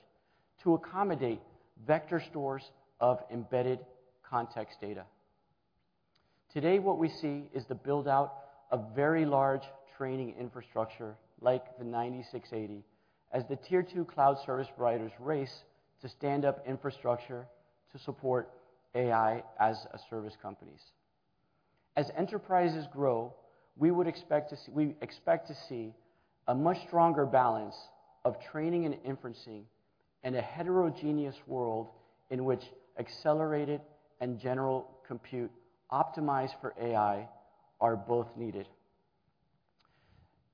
to accommodate vector stores of embedded context data. Today, what we see is the build-out of very large training infrastructure, like the 9680, as the tier two cloud service providers race to stand up infrastructure to support AI as a service companies. As enterprises grow, we would expect to see—we expect to see a much stronger balance of training and inferencing in a heterogeneous world in which accelerated and general compute optimized for AI are both needed.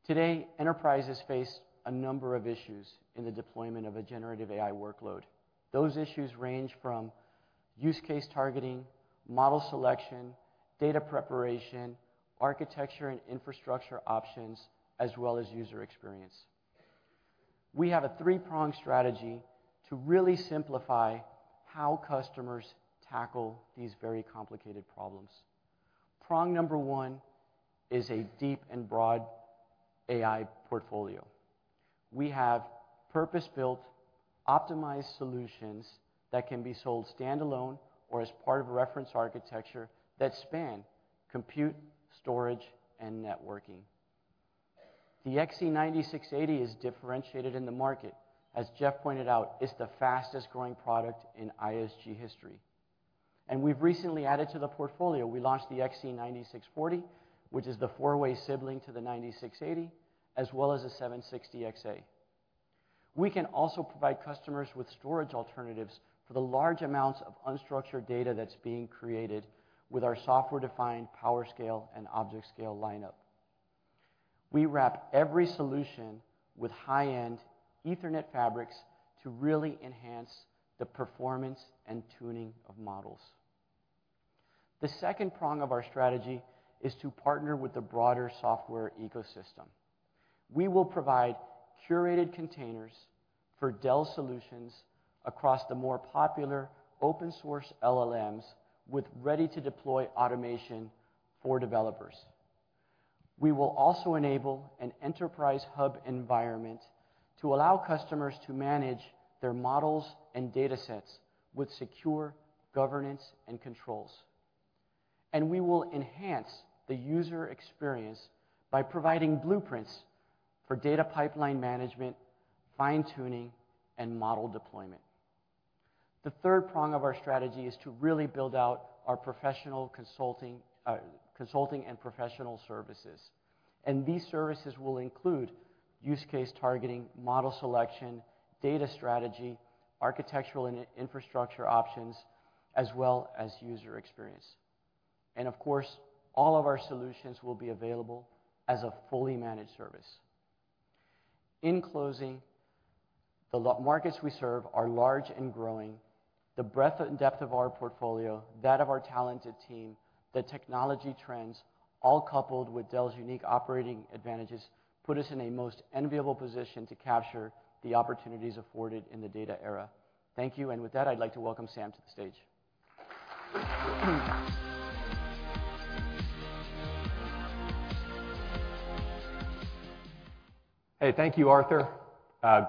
Today, enterprises face a number of issues in the deployment of a generative AI workload. Those issues range from use case targeting, model selection, data preparation, architecture and infrastructure options, as well as user experience. We have a three-pronged strategy to really simplify how customers tackle these very complicated problems. Prong number one is a deep and broad AI portfolio. We have purpose-built, optimized solutions that can be sold standalone or as part of a reference architecture that span compute, storage, and networking. The XE9680 is differentiated in the market. As Jeff pointed out, it's the fastest growing product in ISG history. We've recently added to the portfolio. We launched the XE9640, which is the four-way sibling to the 9680, as well as the 760xa. We can also provide customers with storage alternatives for the large amounts of unstructured data that's being created with our software-defined PowerScale and ObjectScale lineup. We wrap every solution with high-end Ethernet fabrics to really enhance the performance and tuning of models. The second prong of our strategy is to partner with the broader software ecosystem. We will provide curated containers for Dell solutions across the more popular open source LLMs, with ready-to-deploy automation for developers. We will also enable an Enterprise Hub environment to allow customers to manage their models and datasets with secure governance and controls. We will enhance the user experience by providing blueprints for data pipeline management, fine-tuning, and model deployment. The third prong of our strategy is to really build out our professional consulting, consulting and professional services. These services will include use case targeting, model selection, data strategy, architectural and infrastructure options, as well as user experience. Of course, all of our solutions will be available as a fully managed service. In closing, the markets we serve are large and growing. The breadth and depth of our portfolio, that of our talented team, the technology trends, all coupled with Dell's unique operating advantages, put us in a most enviable position to capture the opportunities afforded in the data era. Thank you, and with that, I'd like to welcome Sam to the stage. Hey, thank you, Arthur.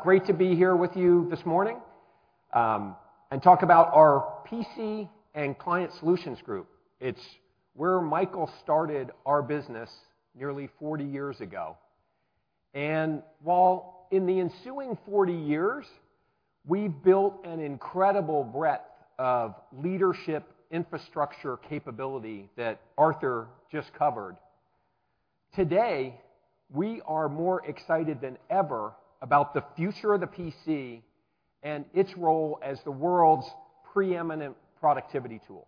Great to be here with you this morning, and talk about our PC and Client Solutions Group. It's where Michael started our business nearly 40 years ago. And while in the ensuing 40 years, we've built an incredible breadth of leadership, infrastructure, capability that Arthur just covered, today, we are more excited than ever about the future of the PC and its role as the world's preeminent productivity tool.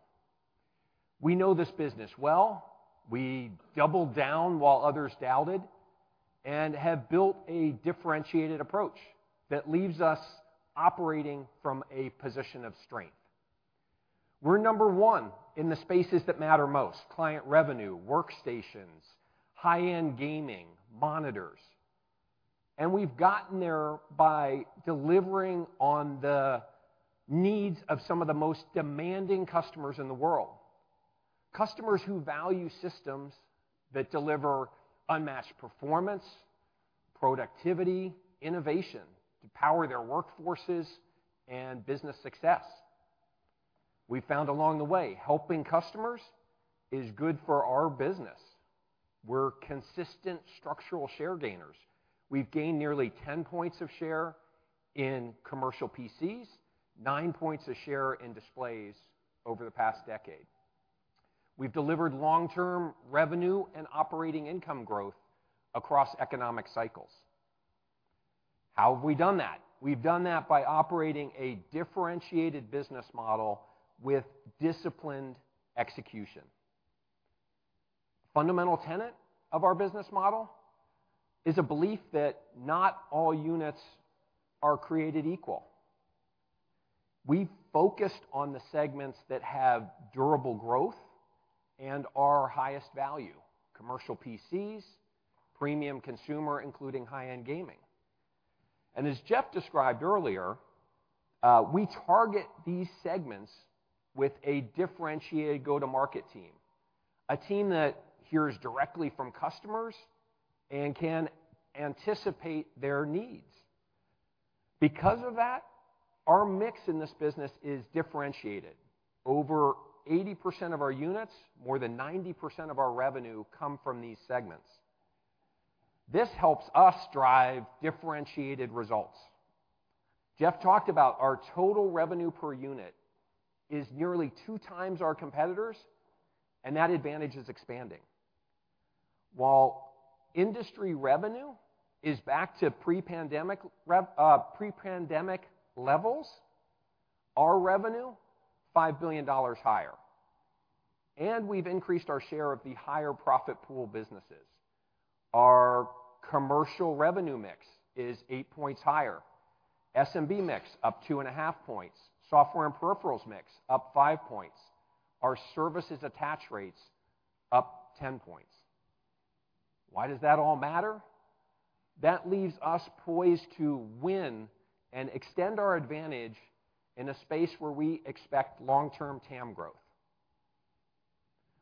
We know this business well. We doubled down while others doubted, and have built a differentiated approach that leaves us operating from a position of strength. We're number one in the spaces that matter most: client revenue, workstations, high-end gaming, monitors. And we've gotten there by delivering on the needs of some of the most demanding customers in the world, customers who value systems that deliver unmatched performance, productivity, innovation, to power their workforces and business success. We found along the way, helping customers is good for our business. We're consistent structural share gainers. We've gained nearly 10 points of share in commercial PCs, 9 points of share in displays over the past decade. We've delivered long-term revenue and operating income growth across economic cycles. How have we done that? We've done that by operating a differentiated business model with disciplined execution. Fundamental tenet of our business model is a belief that not all units are created equal. We've focused on the segments that have durable growth and are our highest value, commercial PCs, premium consumer, including high-end gaming. As Jeff described earlier, we target these segments with a differentiated go-to-market team, a team that hears directly from customers and can anticipate their needs. Because of that, our mix in this business is differentiated. Over 80% of our units, more than 90% of our revenue, come from these segments. This helps us drive differentiated results. Jeff talked about our total revenue per unit is nearly 2 times our competitors', and that advantage is expanding. While industry revenue is back to pre-pandemic revenue, pre-pandemic levels, our revenue, $5 billion higher, and we've increased our share of the higher profit pool businesses. Our commercial revenue mix is 8 points higher, SMB mix up 2.5 points, software and peripherals mix up 5 points, our services attach rates up 10 points. Why does that all matter? That leaves us poised to win and extend our advantage in a space where we expect long-term TAM growth.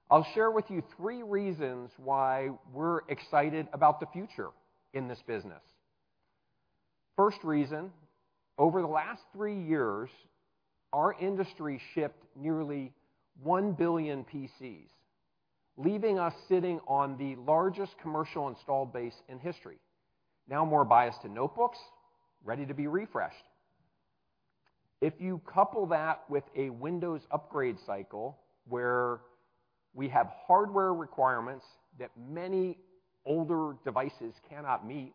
I'll share with you three reasons why we're excited about the future in this business. First reason, over the last three years, our industry shipped nearly 1 billion PCs.... leaving us sitting on the largest commercial installed base in history, now more biased to notebooks, ready to be refreshed. If you couple that with a Windows upgrade cycle, where we have hardware requirements that many older devices cannot meet,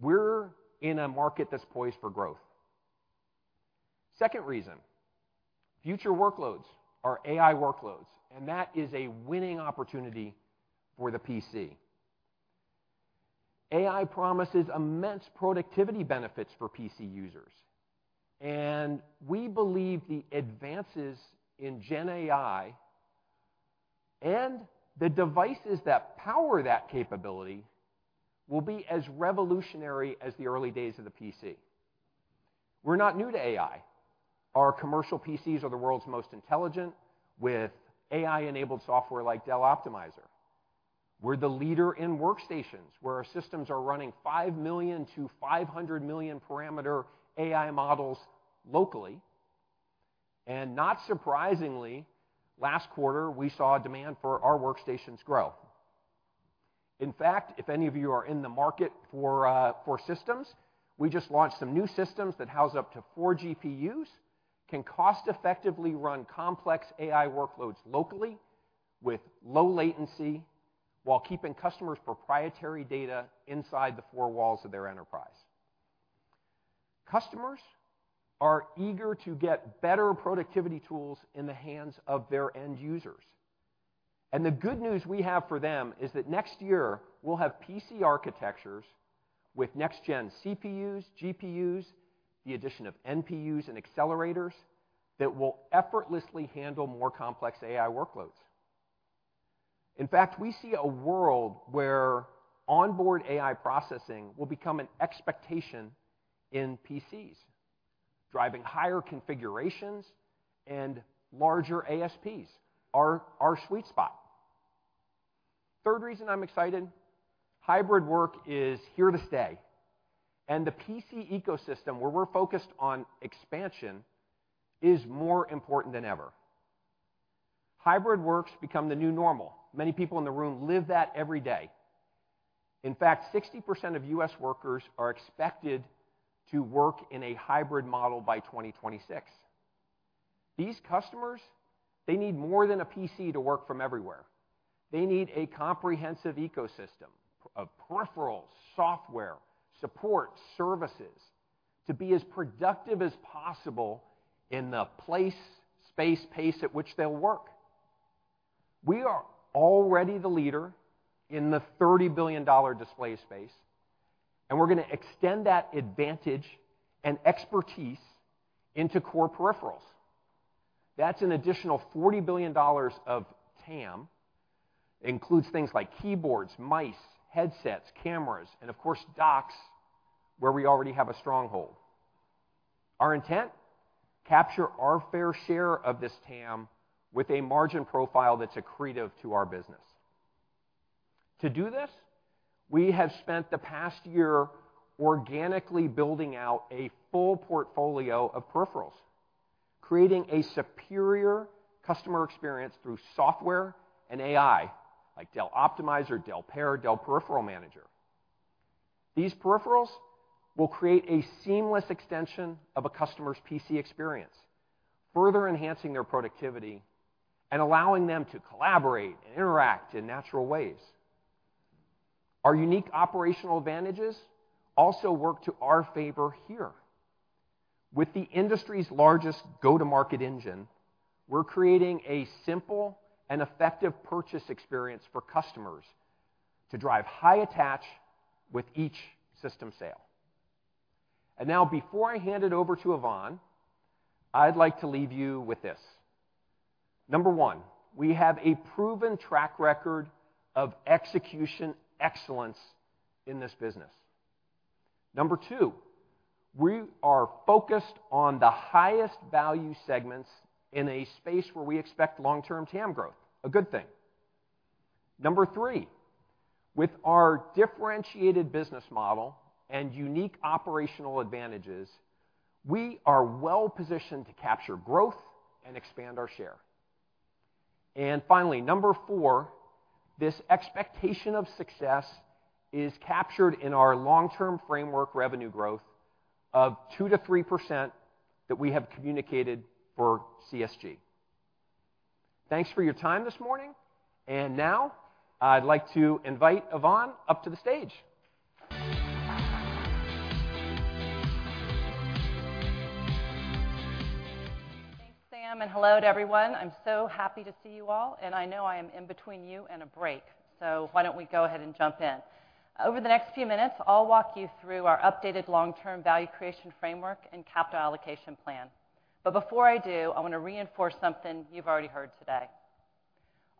we're in a market that's poised for growth. Second reason, future workloads are AI workloads, and that is a winning opportunity for the PC. AI promises immense productivity benefits for PC users, and we believe the advances in GenAI and the devices that power that capability will be as revolutionary as the early days of the PC. We're not new to AI. Our commercial PCs are the world's most intelligent, with AI-enabled software like Dell Optimizer. We're the leader in workstations, where our systems are running 5 million-500 million-parameter AI models locally. And not surprisingly, last quarter, we saw demand for our workstations grow. In fact, if any of you are in the market for, for systems, we just launched some new systems that house up to 4 GPUs, can cost effectively run complex AI workloads locally with low latency while keeping customers' proprietary data inside the four walls of their enterprise. Customers are eager to get better productivity tools in the hands of their end users. And the good news we have for them is that next year, we'll have PC architectures with next-gen CPUs, GPUs, the addition of NPUs and accelerators, that will effortlessly handle more complex AI workloads. In fact, we see a world where onboard AI processing will become an expectation in PCs, driving higher configurations and larger ASPs, are our sweet spot. Third reason I'm excited: hybrid work is here to stay, and the PC ecosystem, where we're focused on expansion, is more important than ever. Hybrid work's become the new normal. Many people in the room live that every day. In fact, 60% of U.S. workers are expected to work in a hybrid model by 2026. These customers, they need more than a PC to work from everywhere. They need a comprehensive ecosystem of peripherals, software, support, services to be as productive as possible in the place, space, pace at which they'll work. We are already the leader in the $30 billion display space, and we're going to extend that advantage and expertise into core peripherals. That's an additional $40 billion of TAM. Includes things like keyboards, mouse, headsets, cameras, and of course, docks, where we already have a stronghold. Our intent? Capture our fair share of this TAM with a margin profile that's accretive to our business. To do this, we have spent the past year organically building out a full portfolio of peripherals, creating a superior customer experience through software and AI, like Dell Optimizer, Dell Pair, Dell Peripheral Manager. These peripherals will create a seamless extension of a customer's PC experience, further enhancing their productivity and allowing them to collaborate and interact in natural ways. Our unique operational advantages also work to our favor here. With the industry's largest go-to-market engine, we're creating a simple and effective purchase experience for customers to drive high attach with each system sale. Now, before I hand it over to Yvonne, I'd like to leave you with this. Number one, we have a proven track record of execution excellence in this business. Number two, we are focused on the highest value segments in a space where we expect long-term TAM growth, a good thing. Number three, with our differentiated business model and unique operational advantages, we are well-positioned to capture growth and expand our share. And finally, number four, this expectation of success is captured in our long-term framework revenue growth of 2%-3% that we have communicated for CSG. Thanks for your time this morning, and now I'd like to invite Yvonne up to the stage. Thanks, Sam, and hello to everyone. I'm so happy to see you all, and I know I am in between you and a break, so why don't we go ahead and jump in? Over the next few minutes, I'll walk you through our updated long-term value creation framework and capital allocation plan. But before I do, I want to reinforce something you've already heard today.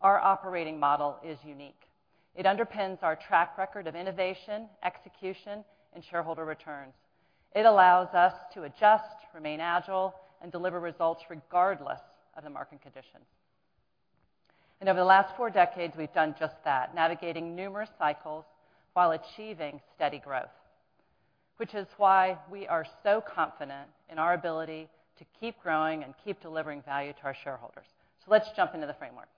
Our operating model is unique. It underpins our track record of innovation, execution, and shareholder returns. It allows us to adjust, remain agile, and deliver results regardless of the market conditions. And over the last four decades, we've done just that, navigating numerous cycles while achieving steady growth.... Which is why we are so confident in our ability to keep growing and keep delivering value to our shareholders. So let's jump into the framework.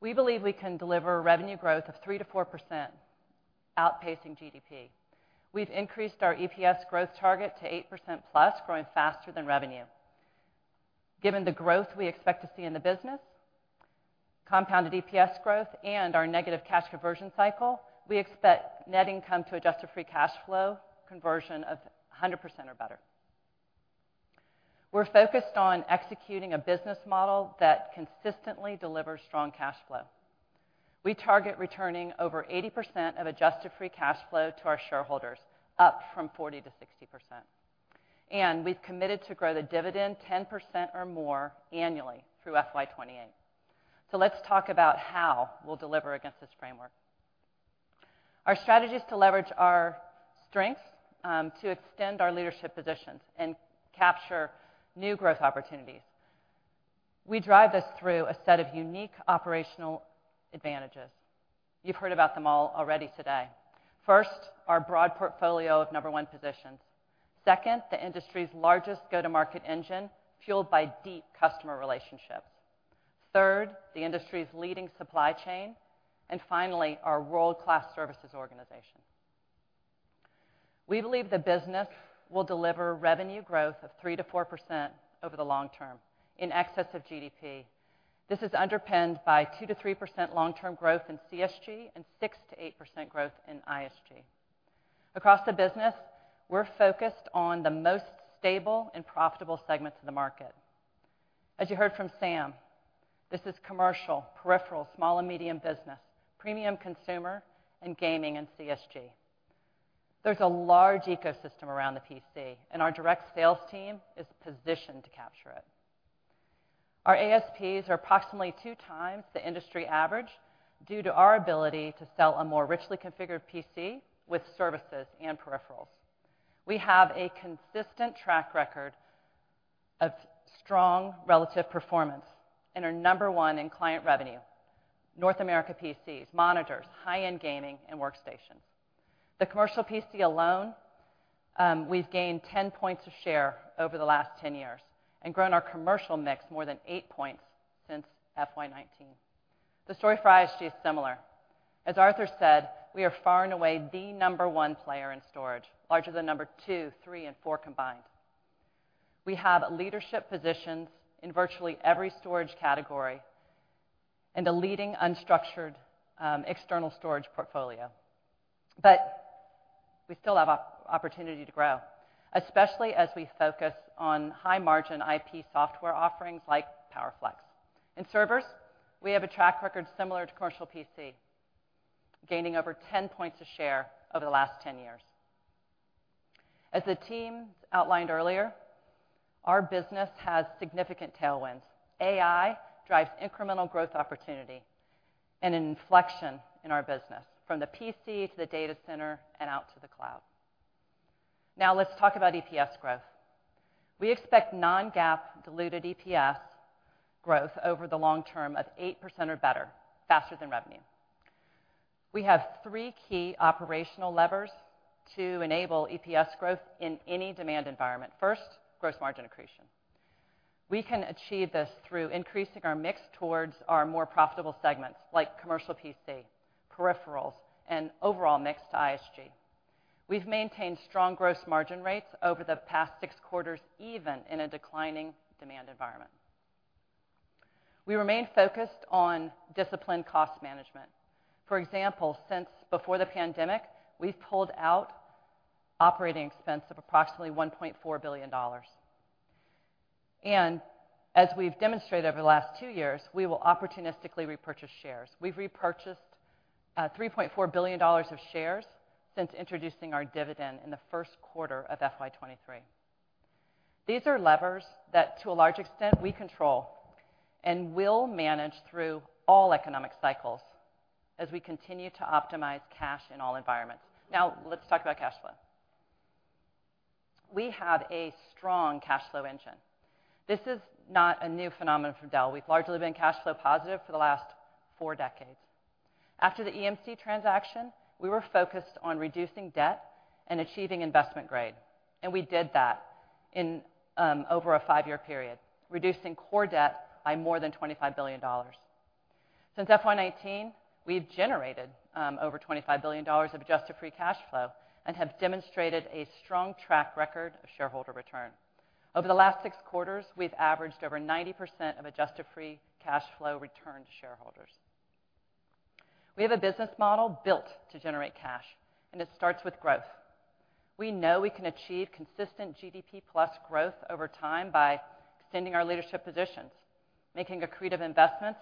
We believe we can deliver revenue growth of 3%-4%, outpacing GDP. We've increased our EPS growth target to 8%+, growing faster than revenue. Given the growth we expect to see in the business, compounded EPS growth, and our negative cash conversion cycle, we expect net income to adjusted free cash flow conversion of 100% or better. We're focused on executing a business model that consistently delivers strong cash flow. We target returning over 80% of adjusted free cash flow to our shareholders, up from 40%-60%. We've committed to grow the dividend 10% or more annually through FY 2028. Let's talk about how we'll deliver against this framework. Our strategy is to leverage our strengths to extend our leadership positions and capture new growth opportunities. We drive this through a set of unique operational advantages. You've heard about them all already today. First, our broad portfolio of number one positions. Second, the industry's largest go-to-market engine, fueled by deep customer relationships. Third, the industry's leading supply chain. And finally, our world-class services organization. We believe the business will deliver revenue growth of 3%-4% over the long term, in excess of GDP. This is underpinned by 2%-3% long-term growth in CSG and 6%-8% growth in ISG. Across the business, we're focused on the most stable and profitable segments of the market. As you heard from Sam, this is commercial, peripherals, small and medium business, premium consumer, and gaming and CSG. There's a large ecosystem around the PC, and our direct sales team is positioned to capture it. Our ASPs are approximately 2 times the industry average due to our ability to sell a more richly configured PC with services and peripherals. We have a consistent track record of strong relative performance and are number one in client revenue, North America PCs, monitors, high-end gaming, and workstations. The commercial PC alone, we've gained 10 points of share over the last 10 years and grown our commercial mix more than 8 points since FY 2019. The story for ISG is similar. As Arthur said, we are far and away the number one player in storage, larger than number two, three, and four combined. We have leadership positions in virtually every storage category and a leading unstructured external storage portfolio. But we still have opportunity to grow, especially as we focus on high-margin IP software offerings like PowerFlex. In servers, we have a track record similar to commercial PC, gaining over 10 points of share over the last 10 years. As the team outlined earlier, our business has significant tailwinds. AI drives incremental growth opportunity and an inflection in our business, from the PC to the data center and out to the cloud. Now, let's talk about EPS growth. We expect non-GAAP diluted EPS growth over the long term of 8% or better, faster than revenue. We have three key operational levers to enable EPS growth in any demand environment. First, gross margin accretion. We can achieve this through increasing our mix towards our more profitable segments, like commercial PC, peripherals, and overall mix to ISG. We've maintained strong gross margin rates over the past six quarters, even in a declining demand environment. We remain focused on disciplined cost management. For example, since before the pandemic, we've pulled out operating expense of approximately $1.4 billion. And as we've demonstrated over the last two years, we will opportunistically repurchase shares. We've repurchased three point four billion dollars of shares since introducing our dividend in the first quarter of FY 2023. These are levers that, to a large extent, we control and will manage through all economic cycles as we continue to optimize cash in all environments. Now, let's talk about cash flow. We have a strong cash flow engine. This is not a new phenomenon for Dell. We've largely been cash flow positive for the last four decades. After the EMC transaction, we were focused on reducing debt and achieving investment grade, and we did that in over a five-year period, reducing core debt by more than $25 billion. Since FY 2019, we've generated over $25 billion of adjusted free cash flow and have demonstrated a strong track record of shareholder return. Over the last 6 quarters, we've averaged over 90% of adjusted free cash flow return to shareholders. We have a business model built to generate cash, and it starts with growth. We know we can achieve consistent GDP+ growth over time by extending our leadership positions, making accretive investments,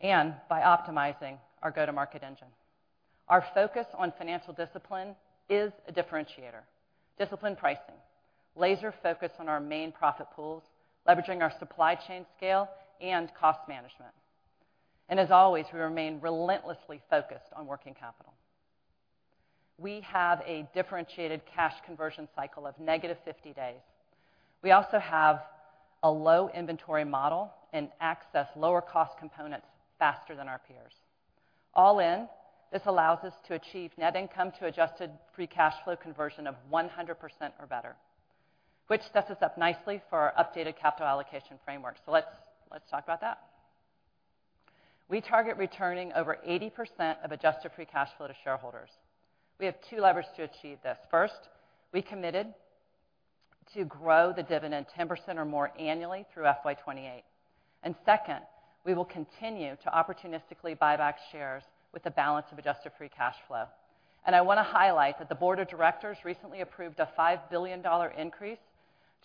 and by optimizing our go-to-market engine. Our focus on financial discipline is a differentiator. Disciplined pricing, laser focus on our main profit pools, leveraging our supply chain scale, and cost management. As always, we remain relentlessly focused on working capital. We have a differentiated cash conversion cycle of negative 50 days... We also have a low inventory model and access lower cost components faster than our peers. All in, this allows us to achieve net income to adjusted free cash flow conversion of 100% or better, which sets us up nicely for our updated capital allocation framework. So let's, let's talk about that. We target returning over 80% of adjusted free cash flow to shareholders. We have two levers to achieve this. First, we committed to grow the dividend 10% or more annually through FY 2028. And second, we will continue to opportunistically buy back shares with the balance of adjusted free cash flow. And I want to highlight that the board of directors recently approved a $5 billion increase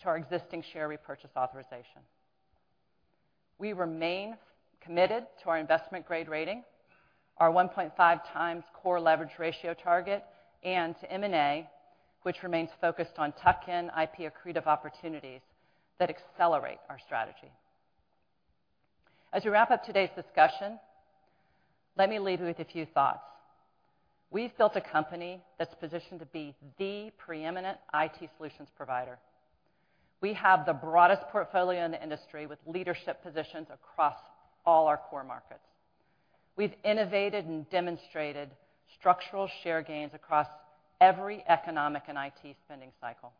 to our existing share repurchase authorization. We remain committed to our investment grade rating, our 1.5x core leverage ratio target, and to M&A, which remains focused on tuck-in IP accretive opportunities that accelerate our strategy. As we wrap up today's discussion, let me leave you with a few thoughts. We've built a company that's positioned to be the preeminent IT solutions provider. We have the broadest portfolio in the industry, with leadership positions across all our core markets. We've innovated and demonstrated structural share gains across every economic and IT spending cycle.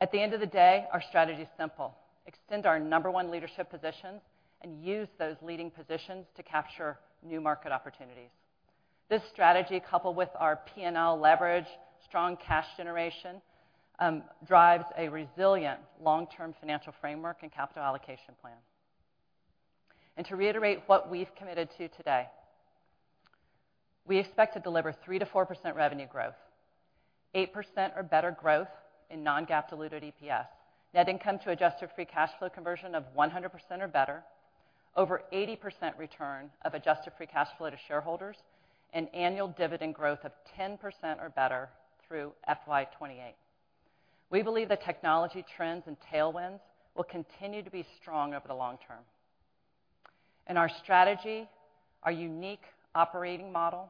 At the end of the day, our strategy is simple: extend our number one leadership positions and use those leading positions to capture new market opportunities. This strategy, coupled with our P&L leverage, strong cash generation, drives a resilient long-term financial framework and capital allocation plan. To reiterate what we've committed to today, we expect to deliver 3%-4% revenue growth, 8% or better growth in non-GAAP diluted EPS, net income to adjusted free cash flow conversion of 100% or better, over 80% return of adjusted free cash flow to shareholders, and annual dividend growth of 10% or better through FY 2028. We believe the technology trends and tailwinds will continue to be strong over the long term. Our strategy, our unique operating model,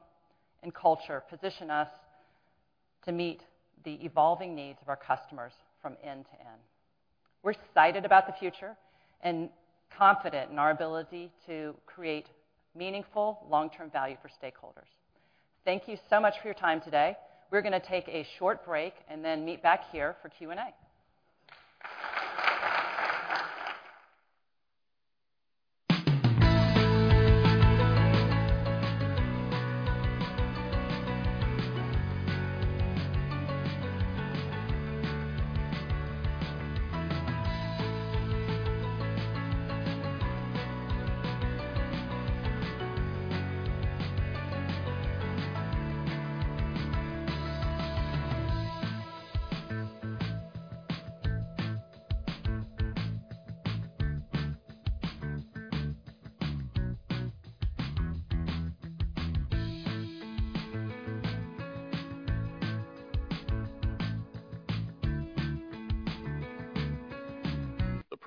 and culture position us to meet the evolving needs of our customers from end to end. We're excited about the future and confident in our ability to create meaningful long-term value for stakeholders. Thank you so much for your time today. We're going to take a short break and then meet back here for Q&A.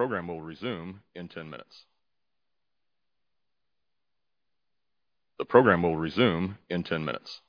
The program will resume in 10 minutes. The program will resume in 10 minutes.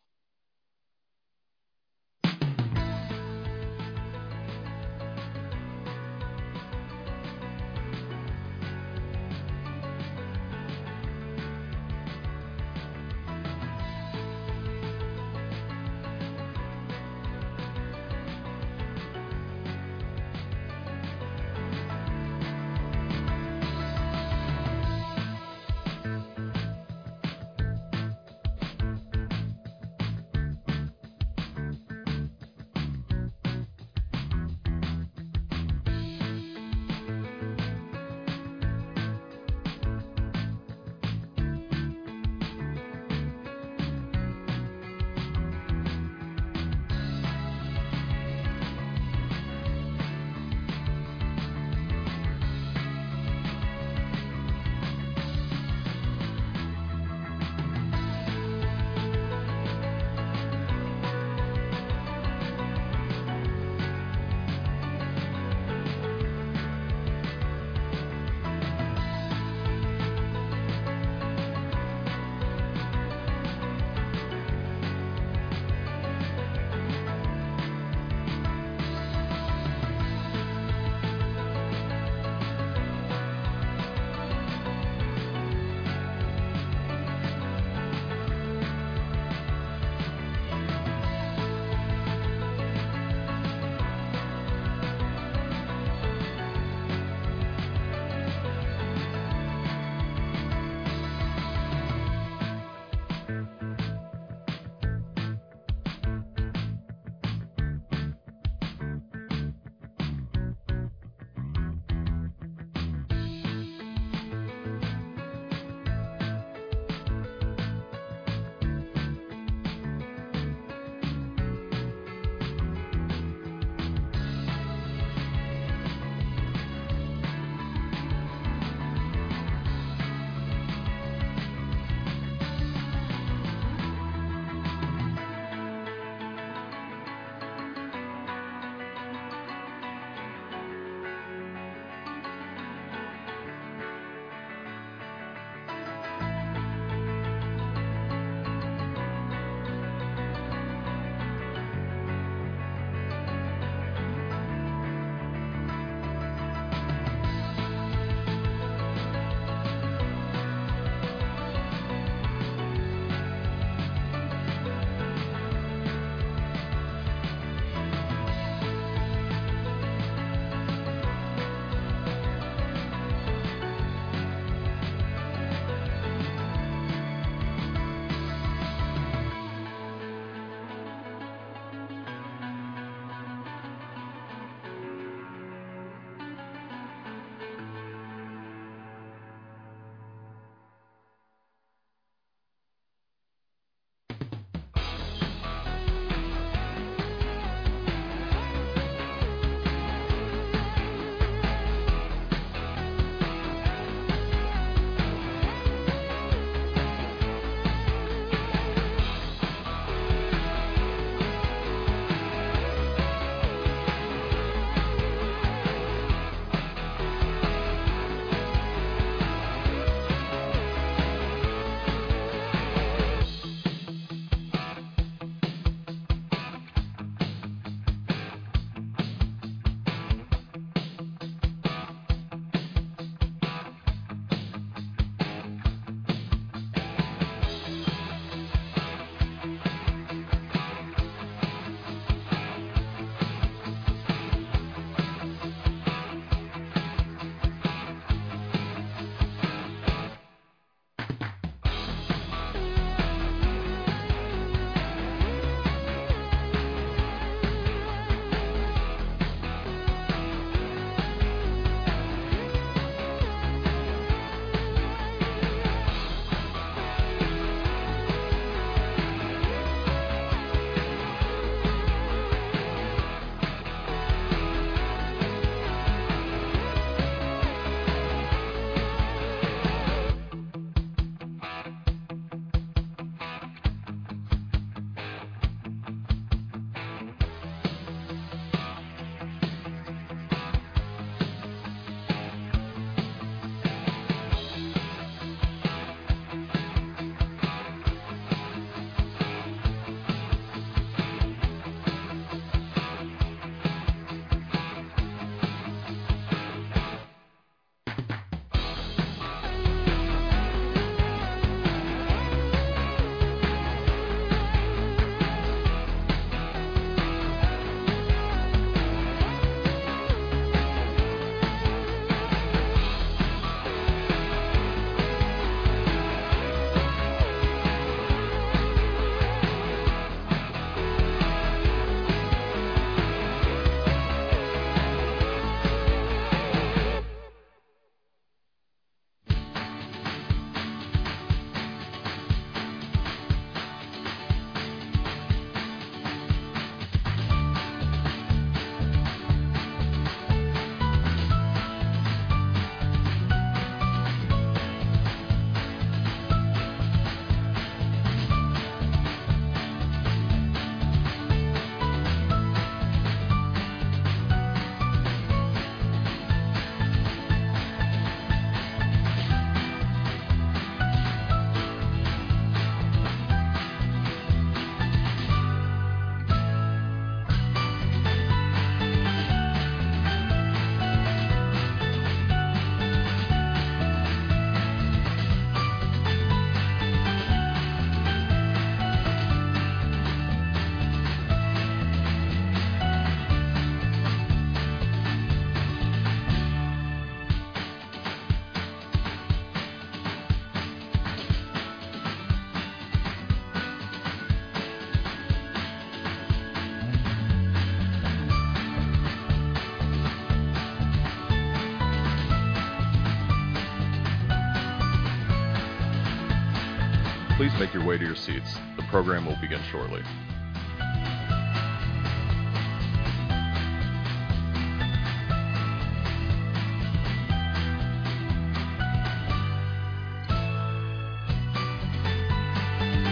Please make your way to your seats. The program will begin shortly.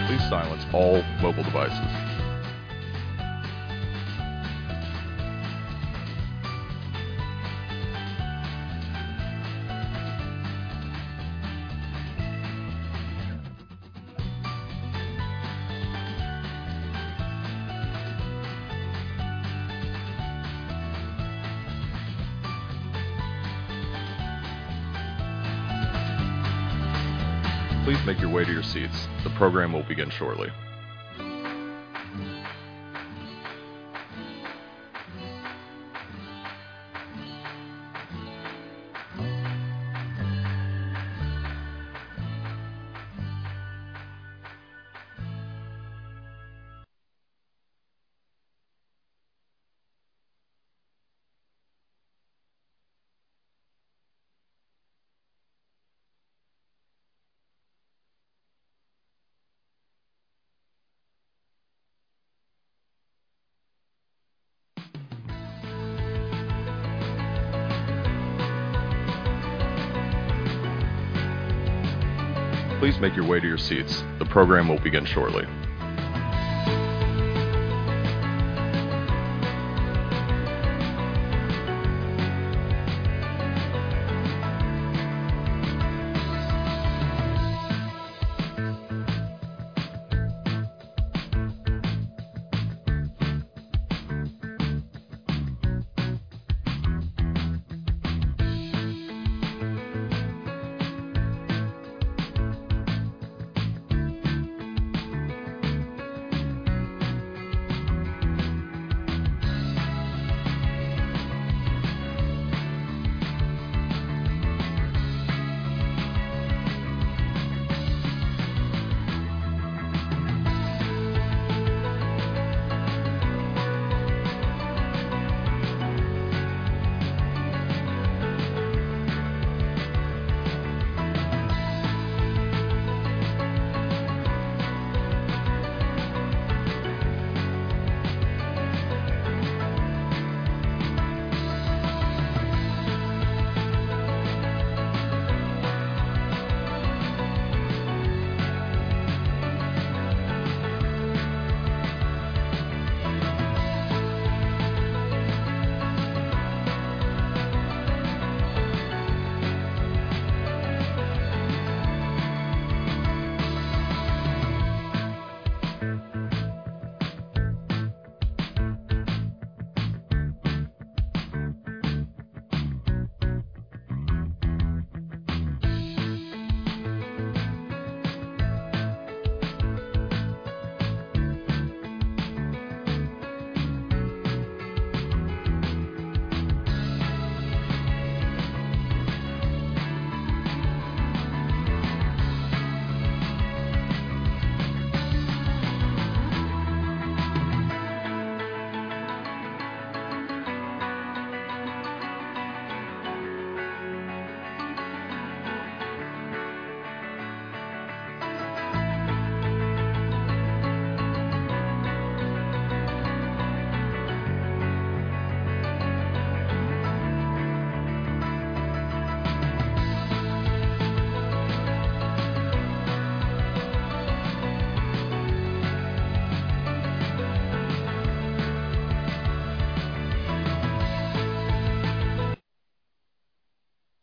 Please silence all mobile devices. Please make your way to your seats. The program will begin shortly.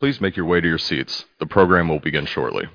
Please make your way to your seats. The program will begin shortly.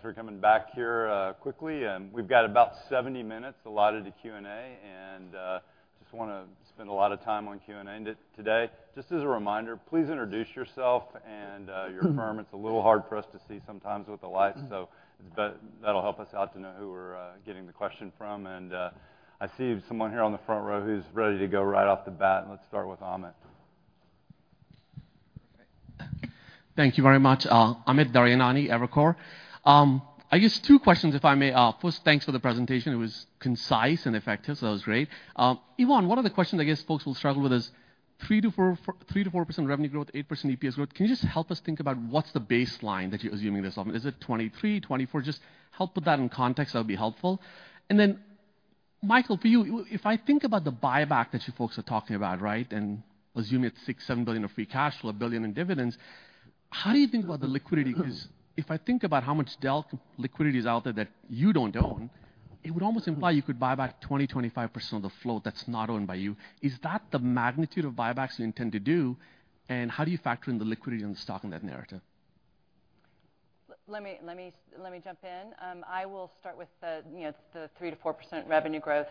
Please make your way to your seats. The program will begin shortly. Are we going in alphabetical order? That demand, Robert. It's very bright. Maybe I should put my sunglasses on. All right. Great, thanks, everyone. Thanks for coming back here quickly, we've got about 70 minutes allotted to Q&A, and just wanna spend a lot of time on Q&A today. Just as a reminder, please introduce yourself and your firm. It's a little hard for us to see sometimes with the lights, so but that'll help us out to know who we're getting the question from. I see someone here on the front row who's ready to go right off the bat. Let's start with Amit. Thank you very much. Amit Daryanani, Evercore. I guess two questions, if I may. First, thanks for the presentation. It was concise and effective, so that was great. Yvonne, one of the questions I guess folks will struggle with is 3%-4% revenue growth, 8% EPS growth. Can you just help us think about what's the baseline that you're assuming this on? Is it 2023, 2024? Just help put that in context, that would be helpful. And then, Michael, for you, if I think about the buyback that you folks are talking about, right? And assuming it's $6 billion-$7 billion of free cash flow, $1 billion in dividends, how do you think about the liquidity? 'Cause if I think about how much Dell liquidity is out there that you don't own, it would almost imply you could buy back 20-25% of the float that's not owned by you. Is that the magnitude of buybacks you intend to do, and how do you factor in the liquidity on the stock in that narrative? Let me jump in. I will start with the, you know, the 3%-4% revenue growth,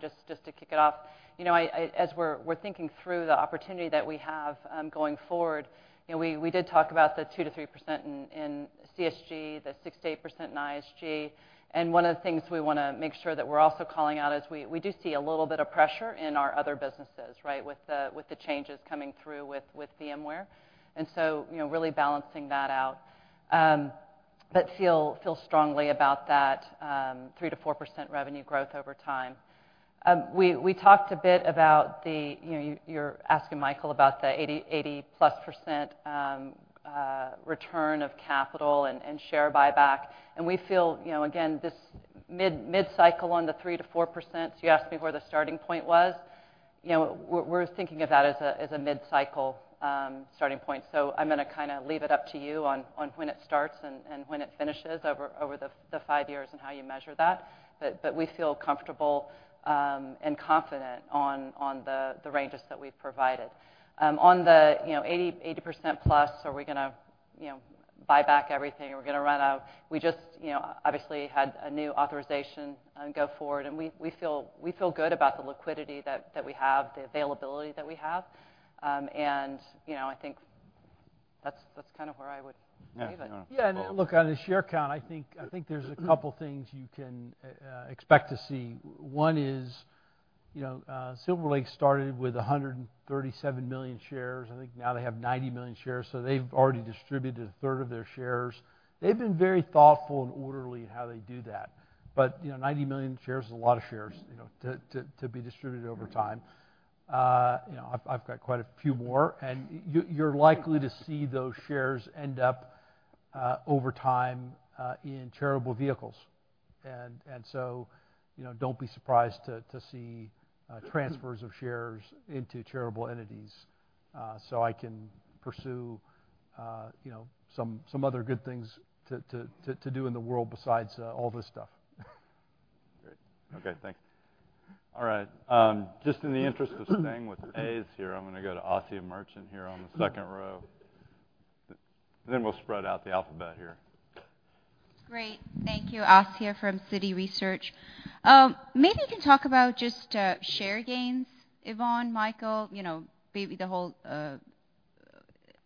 just to kick it off. You know, I... as we're thinking through the opportunity that we have, going forward, you know, we did talk about the 2%-3% in CSG, the 6%-8% in ISG. And one of the things we wanna make sure that we're also calling out is we do see a little bit of pressure in our other businesses, right? With the changes coming through with VMware, and so, you know, really balancing that out. But feel strongly about that 3%-4% revenue growth over time. We talked a bit about the—you know, you're asking Michael about the 80, 80-plus percent return of capital and share buyback. And we feel, you know, again, this mid-cycle on the 3%-4%, you asked me where the starting point was. You know, we're thinking of that as a mid-cycle starting point. So I'm gonna kinda leave it up to you on when it starts and when it finishes over the five years and how you measure that. But we feel comfortable and confident on the ranges that we've provided. On the, you know, 80, 80 percent plus, are we gonna—you know, buy back everything, or we're gonna run out. We just, you know, obviously, had a new authorization go forward, and we feel good about the liquidity that we have, the availability that we have. And, you know, I think that's kind of where I would leave it. Yeah, no. Yeah, and look, on the share count, I think there's a couple things you can expect to see. One is, you know, Silver Lake started with 137 million shares. I think now they have 90 million shares, so they've already distributed a third of their shares. They've been very thoughtful and orderly in how they do that. But, you know, 90 million shares is a lot of shares, you know, to be distributed over time. You know, I've got quite a few more, and you're likely to see those shares end up, over time, in charitable vehicles. And so, you know, don't be surprised to see transfers of shares into charitable entities. So I can pursue, you know, some other good things to do in the world besides all this stuff. Great. Okay, thanks. All right, just in the interest of staying with A's here, I'm gonna go to Asiya Merchant here on the second row. Then we'll spread out the alphabet here. Great. Thank you. Asiya from Citi Research. Maybe you can talk about just share gains, Yvonne, Michael, you know, maybe the whole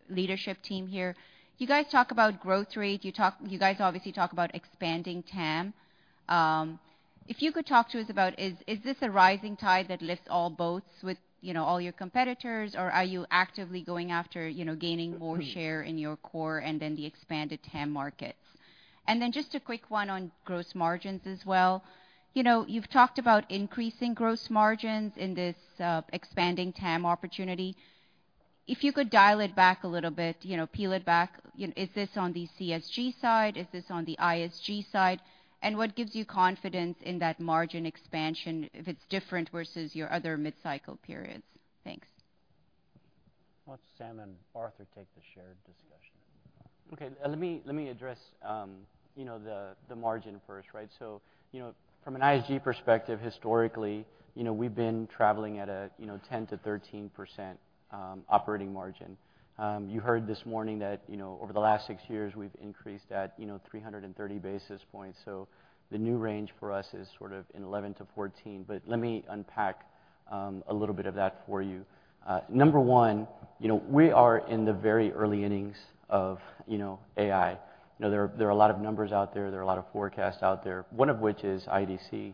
leadership team here. You guys talk about growth rate, you talk—you guys obviously talk about expanding TAM. If you could talk to us about, is this a rising tide that lifts all boats with, you know, all your competitors, or are you actively going after, you know, gaining more share in your core and then the expanded TAM markets? And then just a quick one on gross margins as well. You know, you've talked about increasing gross margins in this expanding TAM opportunity. If you could dial it back a little bit, you know, peel it back, you know, is this on the CSG side? Is this on the ISG side? What gives you confidence in that margin expansion, if it's different versus your other mid-cycle periods? Thanks. Let Sam and Arthur take the share discussion. Okay, let me address, you know, the margin first, right? So, you know, from an ISG perspective, historically, you know, we've been traveling at a, you know, 10%-13% operating margin. You heard this morning that, you know, over the last 6 years, we've increased at, you know, 330 basis points. So the new range for us is sort of in 11%-14%. But let me unpack, a little bit of that for you. Number one, you know, we are in the very early innings of, you know, AI. You know, there are, there are a lot of numbers out there, there are a lot of forecasts out there, one of which is IDC,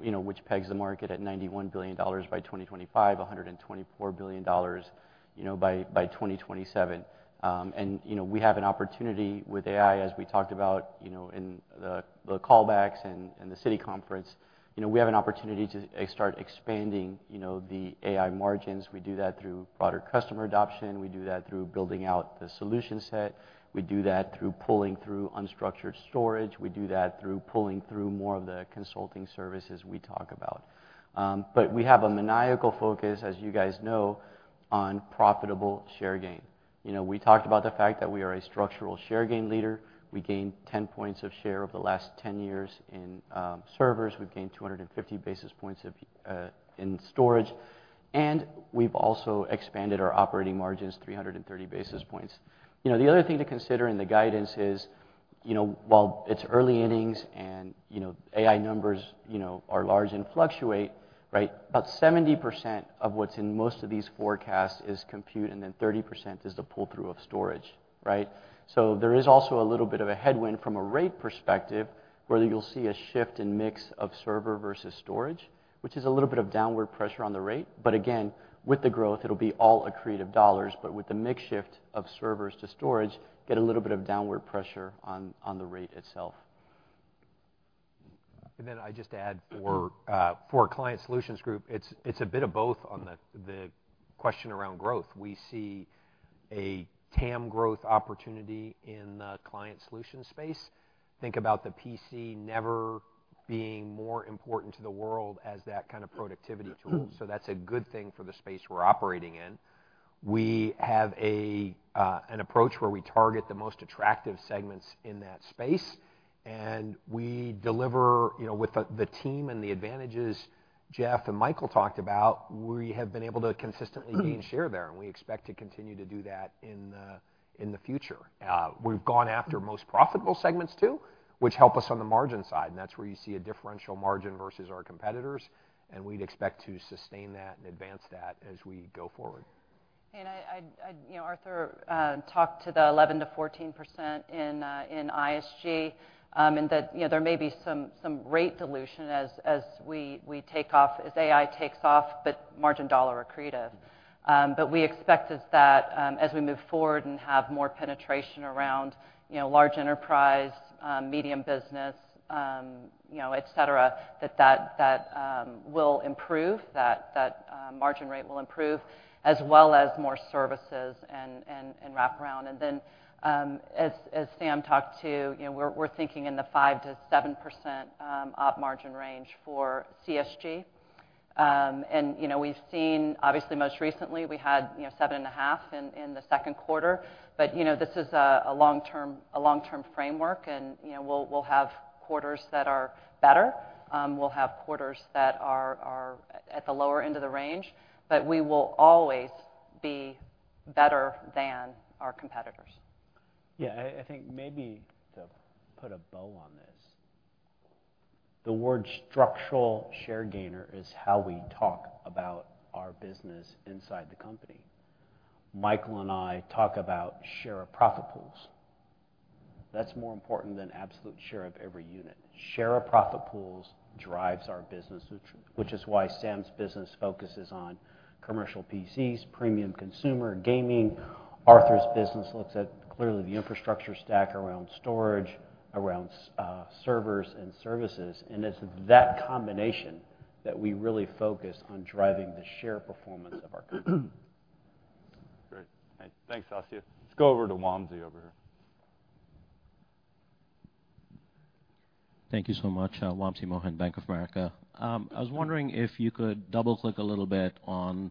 you know, which pegs the market at $91 billion by 2025, $124 billion, you know, by 2027. You know, we have an opportunity with AI, as we talked about, you know, in the callbacks and the Citi conference. You know, we have an opportunity to start expanding, you know, the AI margins. We do that through broader customer adoption, we do that through building out the solution set, we do that through pulling through unstructured storage, we do that through pulling through more of the consulting services we talk about. We have a maniacal focus, as you guys know, on profitable share gain. You know, we talked about the fact that we are a structural share gain leader. We gained 10 points of share over the last 10 years in servers. We've gained 250 basis points of in storage, and we've also expanded our operating margins 330 basis points. You know, the other thing to consider in the guidance is, you know, while it's early innings and, you know, AI numbers, you know, are large and fluctuate, right? About 70% of what's in most of these forecasts is compute, and then 30% is the pull-through of storage, right? So there is also a little bit of a headwind from a rate perspective, whether you'll see a shift in mix of server versus storage, which is a little bit of downward pressure on the rate. But again, with the growth, it'll be all accretive dollars, but with the mix shift of servers to storage, get a little bit of downward pressure on, on the rate itself. I just add for, for Client Solutions Group, it's, it's a bit of both on the question around growth. We see a TAM growth opportunity in the client solution space. Think about the PC never being more important to the world as that kind of productivity tool, so that's a good thing for the space we're operating in. We have a, an approach where we target the most attractive segments in that space, and we deliver, you know, with the team and the advantages Jeff and Michael talked about, we have been able to consistently gain share there, and we expect to continue to do that in the future. We've gone after most profitable segments too, which help us on the margin side, and that's where you see a differential margin versus our competitors, and we'd expect to sustain that and advance that as we go forward. I'd, I'd... You know, Arthur talked to the 11%-14% in ISG, and that, you know, there may be some rate dilution as we take off, as AI takes off, but margin dollar accretive. What we expect is that, as we move forward and have more penetration around, you know, large enterprise, medium business, you know, et cetera, that will improve, that margin rate will improve, as well as more services and wraparound. As Sam talked to, you know, we're thinking in the 5%-7% op margin range for CSG. You know, we've seen obviously, most recently, we had, you know, 7.5% in the second quarter. But, you know, this is a long-term framework and, you know, we'll have quarters that are better. We'll have quarters that are at the lower end of the range, but we will always be better than our competitors. Yeah, I think maybe to put a bow on this-... The word structural share gainer is how we talk about our business inside the company. Michael and I talk about share of profit pools. That's more important than absolute share of every unit. Share of profit pools drives our business, which is why Sam's business focuses on commercial PCs, premium consumer, gaming. Arthur's business looks at clearly the infrastructure stack around storage, around servers and services, and it's that combination that we really focus on driving the share performance of our company. Great. Thanks, Asiya. Let's go over to Wamsi over here. Thank you so much. Wamsi Mohan, Bank of America. I was wondering if you could double-click a little bit on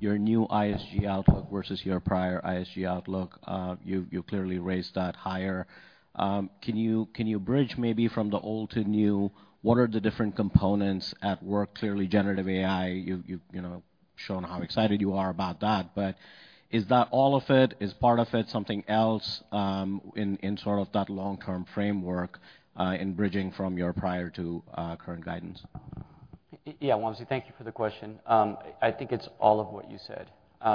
your new ISG outlook versus your prior ISG outlook. You clearly raised that higher. Can you bridge maybe from the old to new? What are the different components at work? Clearly, generative AI, you've shown how excited you are about that, but is that all of it? Is part of it something else, in sort of that long-term framework, in bridging from your prior to current guidance? Yeah, Wamsi, thank you for the question. I think it's all of what you said. You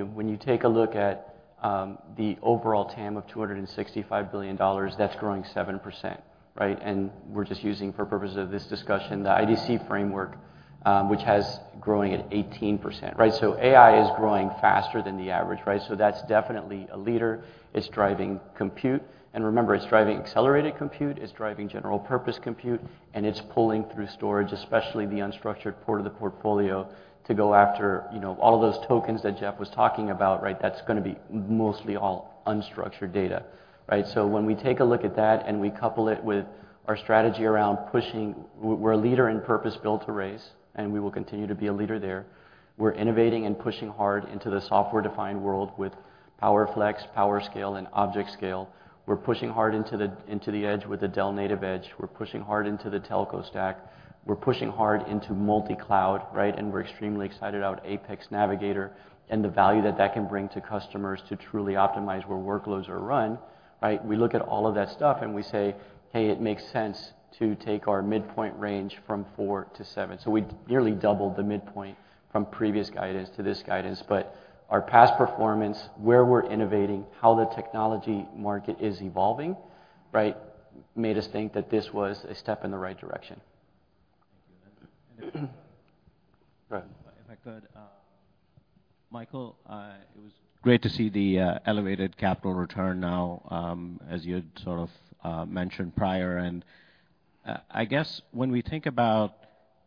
know, when you take a look at the overall TAM of $265 billion, that's growing 7%, right? And we're just using, for purposes of this discussion, the IDC framework, which has growing at 18%, right? So AI is growing faster than the average, right? So that's definitely a leader. It's driving compute, and remember, it's driving accelerated compute, it's driving general-purpose compute, and it's pulling through storage, especially the unstructured port of the portfolio, to go after, you know, all of those tokens that Jeff was talking about, right? That's gonna be mostly all unstructured data, right? So when we take a look at that and we couple it with our strategy around pushing... We're a leader in purpose-built arrays, and we will continue to be a leader there. We're innovating and pushing hard into the software-defined world with PowerFlex, PowerScale, and ObjectScale. We're pushing hard into the edge with the Dell NativeEdge. We're pushing hard into the telco stack. We're pushing hard into multi-cloud, right? We're extremely excited about APEX Navigator and the value that that can bring to customers to truly optimize where workloads are run, right? We look at all of that stuff, and we say, "Hey, it makes sense to take our midpoint range from 4-7." We nearly doubled the midpoint from previous guidance to this guidance. Our past performance, where we're innovating, how the technology market is evolving, right, made us think that this was a step in the right direction. Thank you. And, Go ahead. If I could, Michael, it was great to see the elevated capital return now, as you had sort of mentioned prior. And I guess when we think about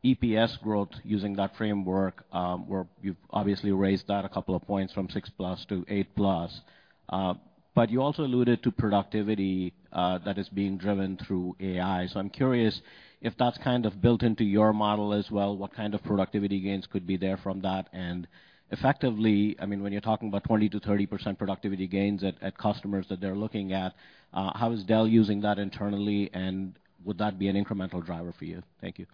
EPS growth using that framework, where you've obviously raised that a couple of points from 6+ to 8+, but you also alluded to productivity that is being driven through AI. So I'm curious if that's kind of built into your model as well, what kind of productivity gains could be there from that? And effectively, I mean, when you're talking about 20%-30% productivity gains at customers that they're looking at, how is Dell using that internally, and would that be an incremental driver for you? Thank you.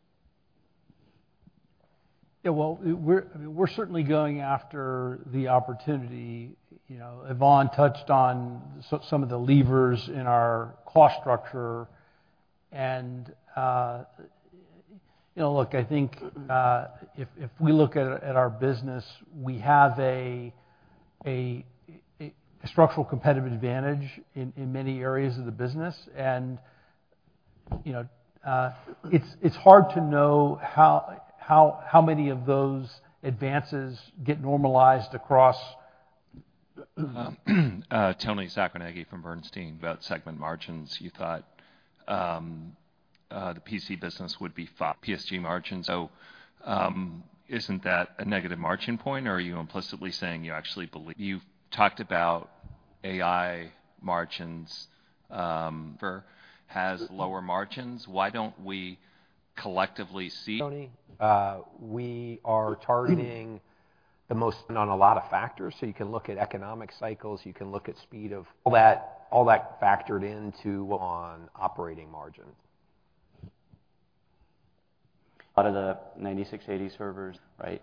Yeah, well, we're certainly going after the opportunity. You know, Yvonne touched on some of the levers in our cost structure. And, you know, look, I think, if we look at our business, we have a structural competitive advantage in many areas of the business. And, you know, it's hard to know how many of those advances get normalized across. Toni Sacconaghi from Bernstein. About segment margins, you thought, the PC business would be PSG margins. So, isn't that a negative margin point, or are you implicitly saying you actually believe... You've talked about AI margins, has lower margins. Why don't we collectively see- Tony, we are targeting the most on a lot of factors. So you can look at economic cycles, you can look at speed of all that, all that factored into on operating margin. Out of the 9680 servers, right?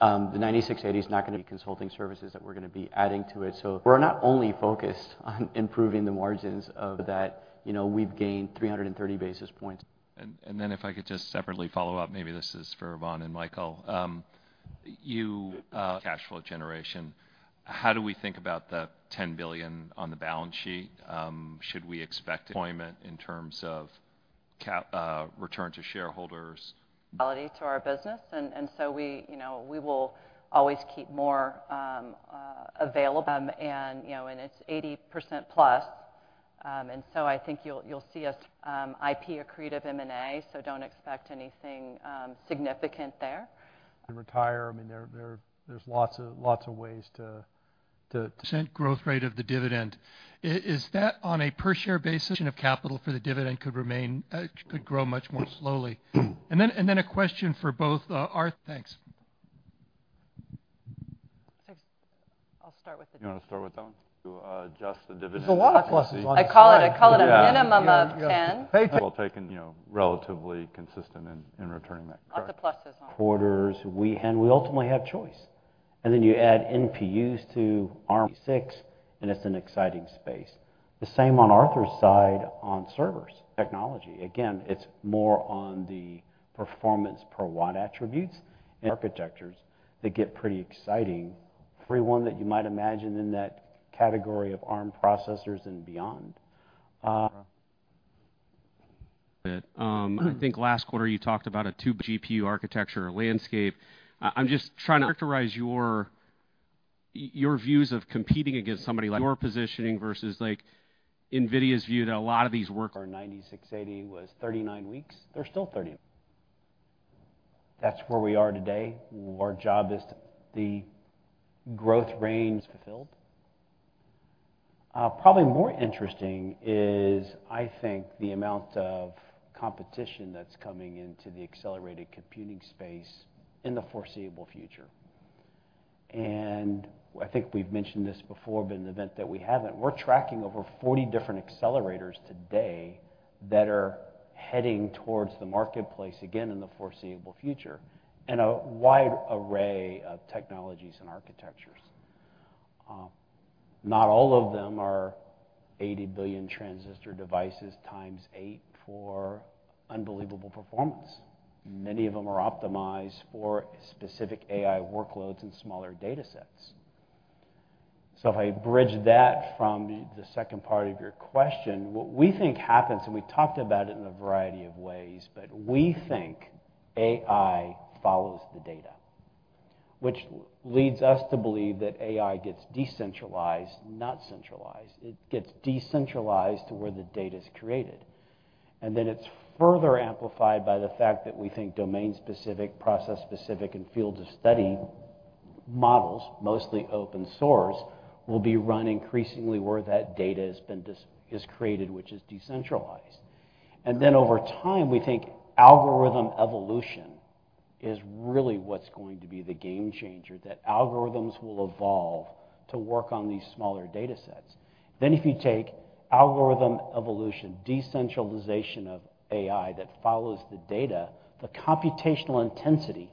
The 9680 is not gonna be consulting services that we're gonna be adding to it. So we're not only focused on improving the margins of that. You know, we've gained 300 basis points. and then if I could just separately follow up, maybe this is for Yvonne and Michael. Your cash flow generation, how do we think about the $10 billion on the balance sheet? Should we expect deployment in terms of APEX, return to shareholders? -quality to our business, and, and so we, you know, we will always keep more, available. And, you know, and it's 80% plus, and so I think you'll, you'll see us, IP accretive M&A, so don't expect anything, significant there. Retire, I mean, there, there's lots of ways to... ...% growth rate of the dividend. Is that on a per share basis of capital for the dividend could remain, could grow much more slowly? And then a question for both, Art. Thanks. So I'll start with the- You want to start with that one? To adjust the division. There's a lot of pluses on- I call it, I call it a minimum of 10. Well, taken, you know, relatively consistent in returning that. Lots of pluses on- Quarters, and we ultimately have choice.... and then you add NPUs to x86,and it's an exciting space. The same on Arthur's side on servers technology. Again, it's more on the performance per watt attributes and architectures that get pretty exciting. Every one that you might imagine in that category of ARM processors and beyond, I think last quarter you talked about a two GPU architecture or landscape. I'm just trying to characterize your views of competing against somebody, like, your positioning versus, like, NVIDIA's view that a lot of these work- Our 9680 was 39 weeks. They're still 30. That's where we are today. Our job is the growth range fulfilled. Probably more interesting is, I think, the amount of competition that's coming into the accelerated computing space in the foreseeable future. I think we've mentioned this before, but in the event that we haven't, we're tracking over 40 different accelerators today that are heading towards the marketplace again in the foreseeable future, in a wide array of technologies and architectures. Not all of them are 80 billion transistor devices × 8 for unbelievable performance. Many of them are optimized for specific AI workloads and smaller datasets. So if I bridge that from the second part of your question, what we think happens, and we've talked about it in a variety of ways, but we think AI follows the data, which leads us to believe that AI gets decentralized, not centralized. It gets decentralized to where the data is created, and then it's further amplified by the fact that we think domain-specific, process-specific, and fields of study models, mostly open source, will be run increasingly where that data has been is created, which is decentralized. And then over time, we think algorithm evolution is really what's going to be the game changer, that algorithms will evolve to work on these smaller datasets. Then, if you take algorithm evolution, decentralization of AI that follows the data, the computational intensity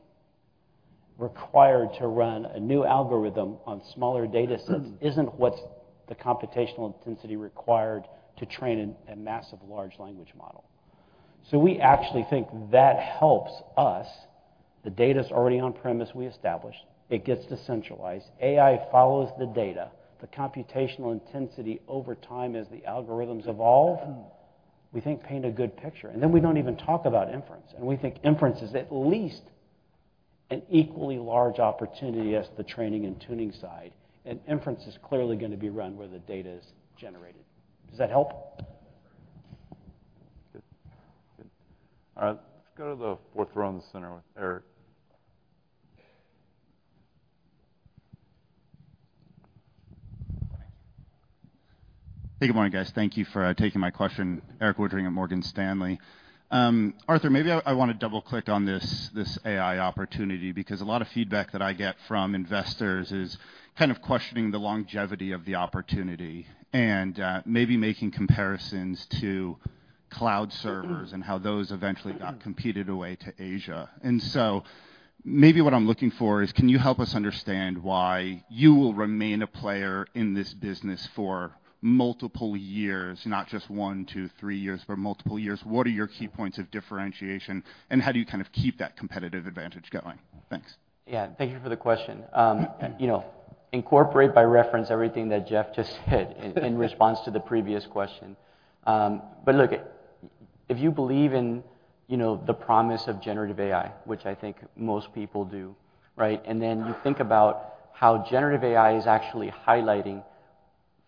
required to run a new algorithm on smaller datasets isn't what's the computational intensity required to train a massive large language model. So we actually think that helps us. The data's already on-premise, we established. It gets decentralized. AI follows the data. The computational intensity over time as the algorithms evolve, we think paint a good picture, and then we don't even talk about inference, and we think inference is at least an equally large opportunity as the training and tuning side, and inference is clearly gonna be run where the data is generated. Does that help? Good. Good. All right, let's go to the fourth row in the center with Eric. Hey, good morning, guys. Thank you for taking my question. Erik Woodring at Morgan Stanley. Arthur, maybe I wanna double-click on this, this AI opportunity because a lot of feedback that I get from investors is kind of questioning the longevity of the opportunity and maybe making comparisons to cloud servers- Mm-hmm. and how those eventually got competed away to Asia. And so maybe what I'm looking for is, can you help us understand why you will remain a player in this business for multiple years, not just one, two, three years, but multiple years? What are your key points of differentiation, and how do you kind of keep that competitive advantage going? Thanks. Yeah, thank you for the question. You know, incorporate by reference everything that Jeff just said in response to the previous question. But look, if you believe in, you know, the promise of generative AI, which I think most people do, right? And then you think about how generative AI is actually highlighting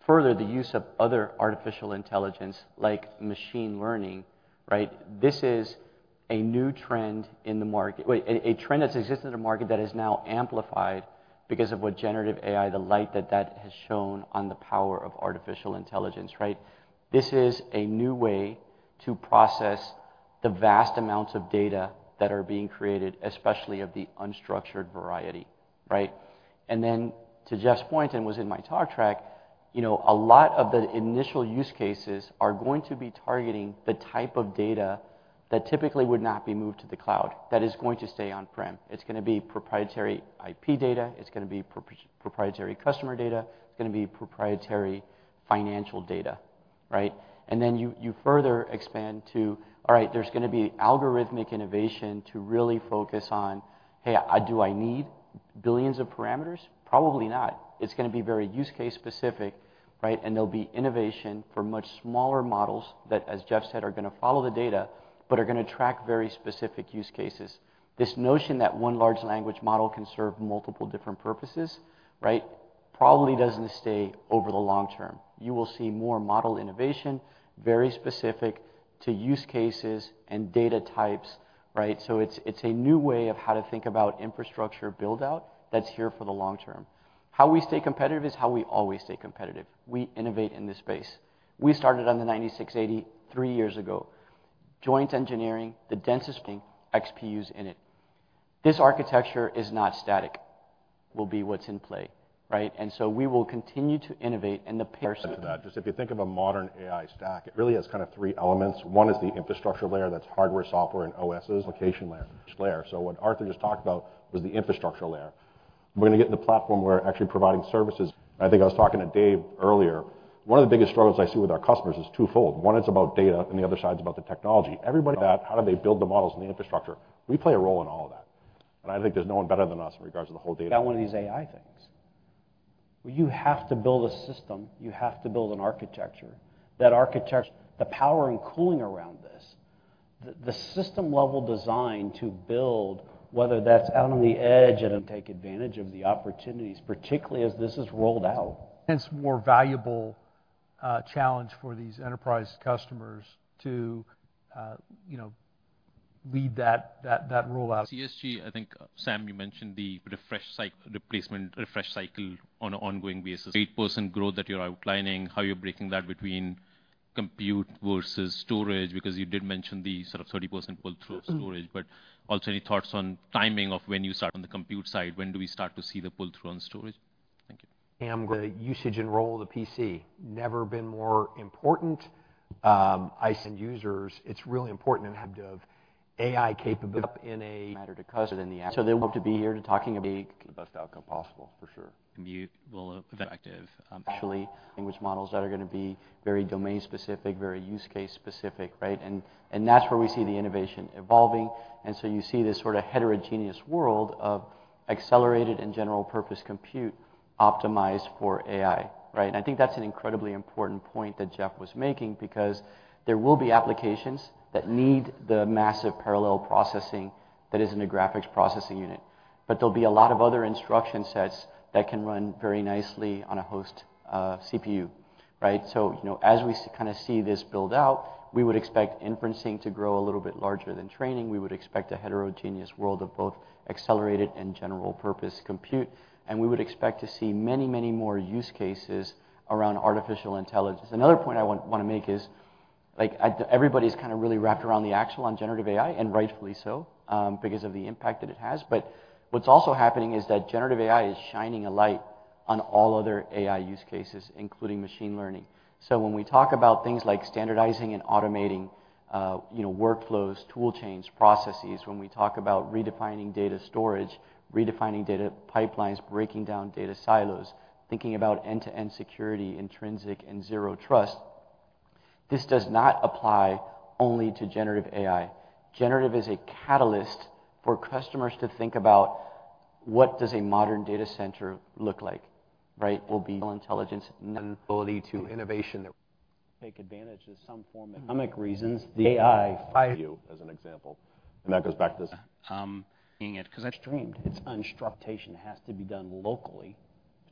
further the use of other artificial intelligence, like machine learning, right? This is a new trend in the market, a trend that's existed in the market that is now amplified because of what generative AI, the light that that has shone on the power of artificial intelligence, right? This is a new way to process the vast amounts of data that are being created, especially of the unstructured variety, right? And then, to Jeff's point, and was in my talk track, you know, a lot of the initial use cases are going to be targeting the type of data that typically would not be moved to the cloud, that is going to stay on-prem. It's gonna be proprietary IP data, it's gonna be proprietary customer data, it's gonna be proprietary financial data, right? And then you further expand to, all right, there's gonna be algorithmic innovation to really focus on, "Hey, do I need billions of parameters?" Probably not. It's gonna be very use case specific, right? And there'll be innovation for much smaller models that, as Jeff said, are gonna follow the data but are gonna track very specific use cases. This notion that one large language model can serve multiple different purposes, right, probably doesn't stay over the long term. You will see more model innovation, very specific to use cases and data types, right? So it's, it's a new way of how to think about infrastructure build-out that's here for the long term. How we stay competitive is how we always stay competitive. We innovate in this space. We started on the XE9680 3 years ago. Joint engineering, the densest thing, XPUs in it. This architecture is not static, will be what's in play, right? And so we will continue to innovate and the pair- -to that. Just if you think of a modern AI stack, it really has kind of three elements. One is the infrastructure layer, that's hardware, software, and OSs location layer. So what Arthur just talked about was the infrastructure layer. ... We're gonna get in the platform where we're actually providing services. I think I was talking to Dave earlier. One of the biggest struggles I see with our customers is twofold: one, it's about data, and the other side is about the technology. Everybody, that, how do they build the models and the infrastructure? We play a role in all of that, and I think there's no one better than us in regards to the whole data. One of these AI things. Well, you have to build a system, you have to build an architecture. That architecture, the power and cooling around this, the system-level design to build, whether that's out on the edge and take advantage of the opportunities, particularly as this is rolled out. Hence, more valuable, challenge for these enterprise customers to, you know, lead that rollout. CSG, I think, Sam, you mentioned the refresh cycle, replacement, refresh cycle on an ongoing basis. 8% growth that you're outlining, how you're breaking that between compute versus storage, because you did mention the sort of 30% pull-through storage. Mm-hmm. But also any thoughts on timing of when you start on the compute side, when do we start to see the pull-through on storage? Thank you. Sam, the usage and role of the PC never been more important. I see end users, it's really important in active AI capability up in a- Matter to customer, so they want to be here to talking about the best outcome possible, for sure. Compute will effective.... Actually, language models that are gonna be very domain-specific, very use case specific, right? And that's where we see the innovation evolving, and so you see this sort of heterogeneous world of accelerated and general-purpose compute optimized for AI, right? And I think that's an incredibly important point that Jeff was making, because there will be applications that need the massive parallel processing that is in a graphics processing unit. But there'll be a lot of other instruction sets that can run very nicely on a host, CPU, right? So, you know, as we kind of see this build out, we would expect inferencing to grow a little bit larger than training. We would expect a heterogeneous world of both accelerated and general-purpose compute, and we would expect to see many, many more use cases around artificial intelligence. Another point I want to make is, like, everybody's kind of really wrapped around the axle on generative AI, and rightfully so, because of the impact that it has. But what's also happening is that generative AI is shining a light on all other AI use cases, including machine learning. So when we talk about things like standardizing and automating, you know, workflows, tool chains, processes, when we talk about redefining data storage, redefining data pipelines, breaking down data silos, thinking about end-to-end security, intrinsic and zero trust, this does not apply only to generative AI. Generative is a catalyst for customers to think about what does a modern data center look like, right? Will be intelligence and ability to- Innovation that- Take advantage of some form of- Mm-hmm -economic reasons. The AI- I, as an example, and that goes back to this- Seeing it, 'cause I've dreamed. It's unstructured, has to be done locally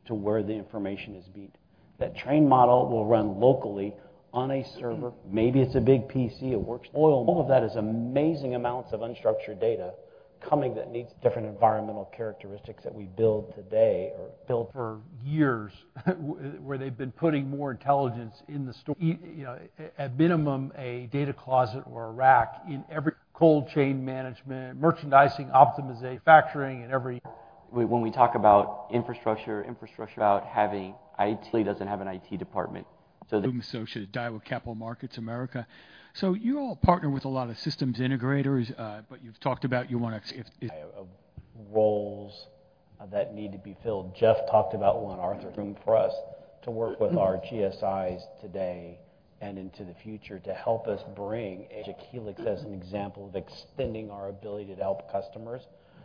to where the information is being... That trained model will run locally on a server. Mm-hmm. Maybe it's a big PC, it works. IoT, all of that is amazing amounts of unstructured data coming that needs different environmental characteristics that we build today or built- For years, where they've been putting more intelligence in the store. You know, at minimum, a data closet or a rack in every cold chain management, merchandising, optimization, manufacturing, and every- When we talk about infrastructure about having IT, really doesn't have an IT department, so the- Daiwa Capital Markets of America. So you all partner with a lot of systems integrators, but you've talked about you want to, if, if- of roles that need to be filled. Jeff talked about one, Arthur. For us, to work with our GSIs today and into the future to help us bring Project Helix as an example of extending our ability to help customers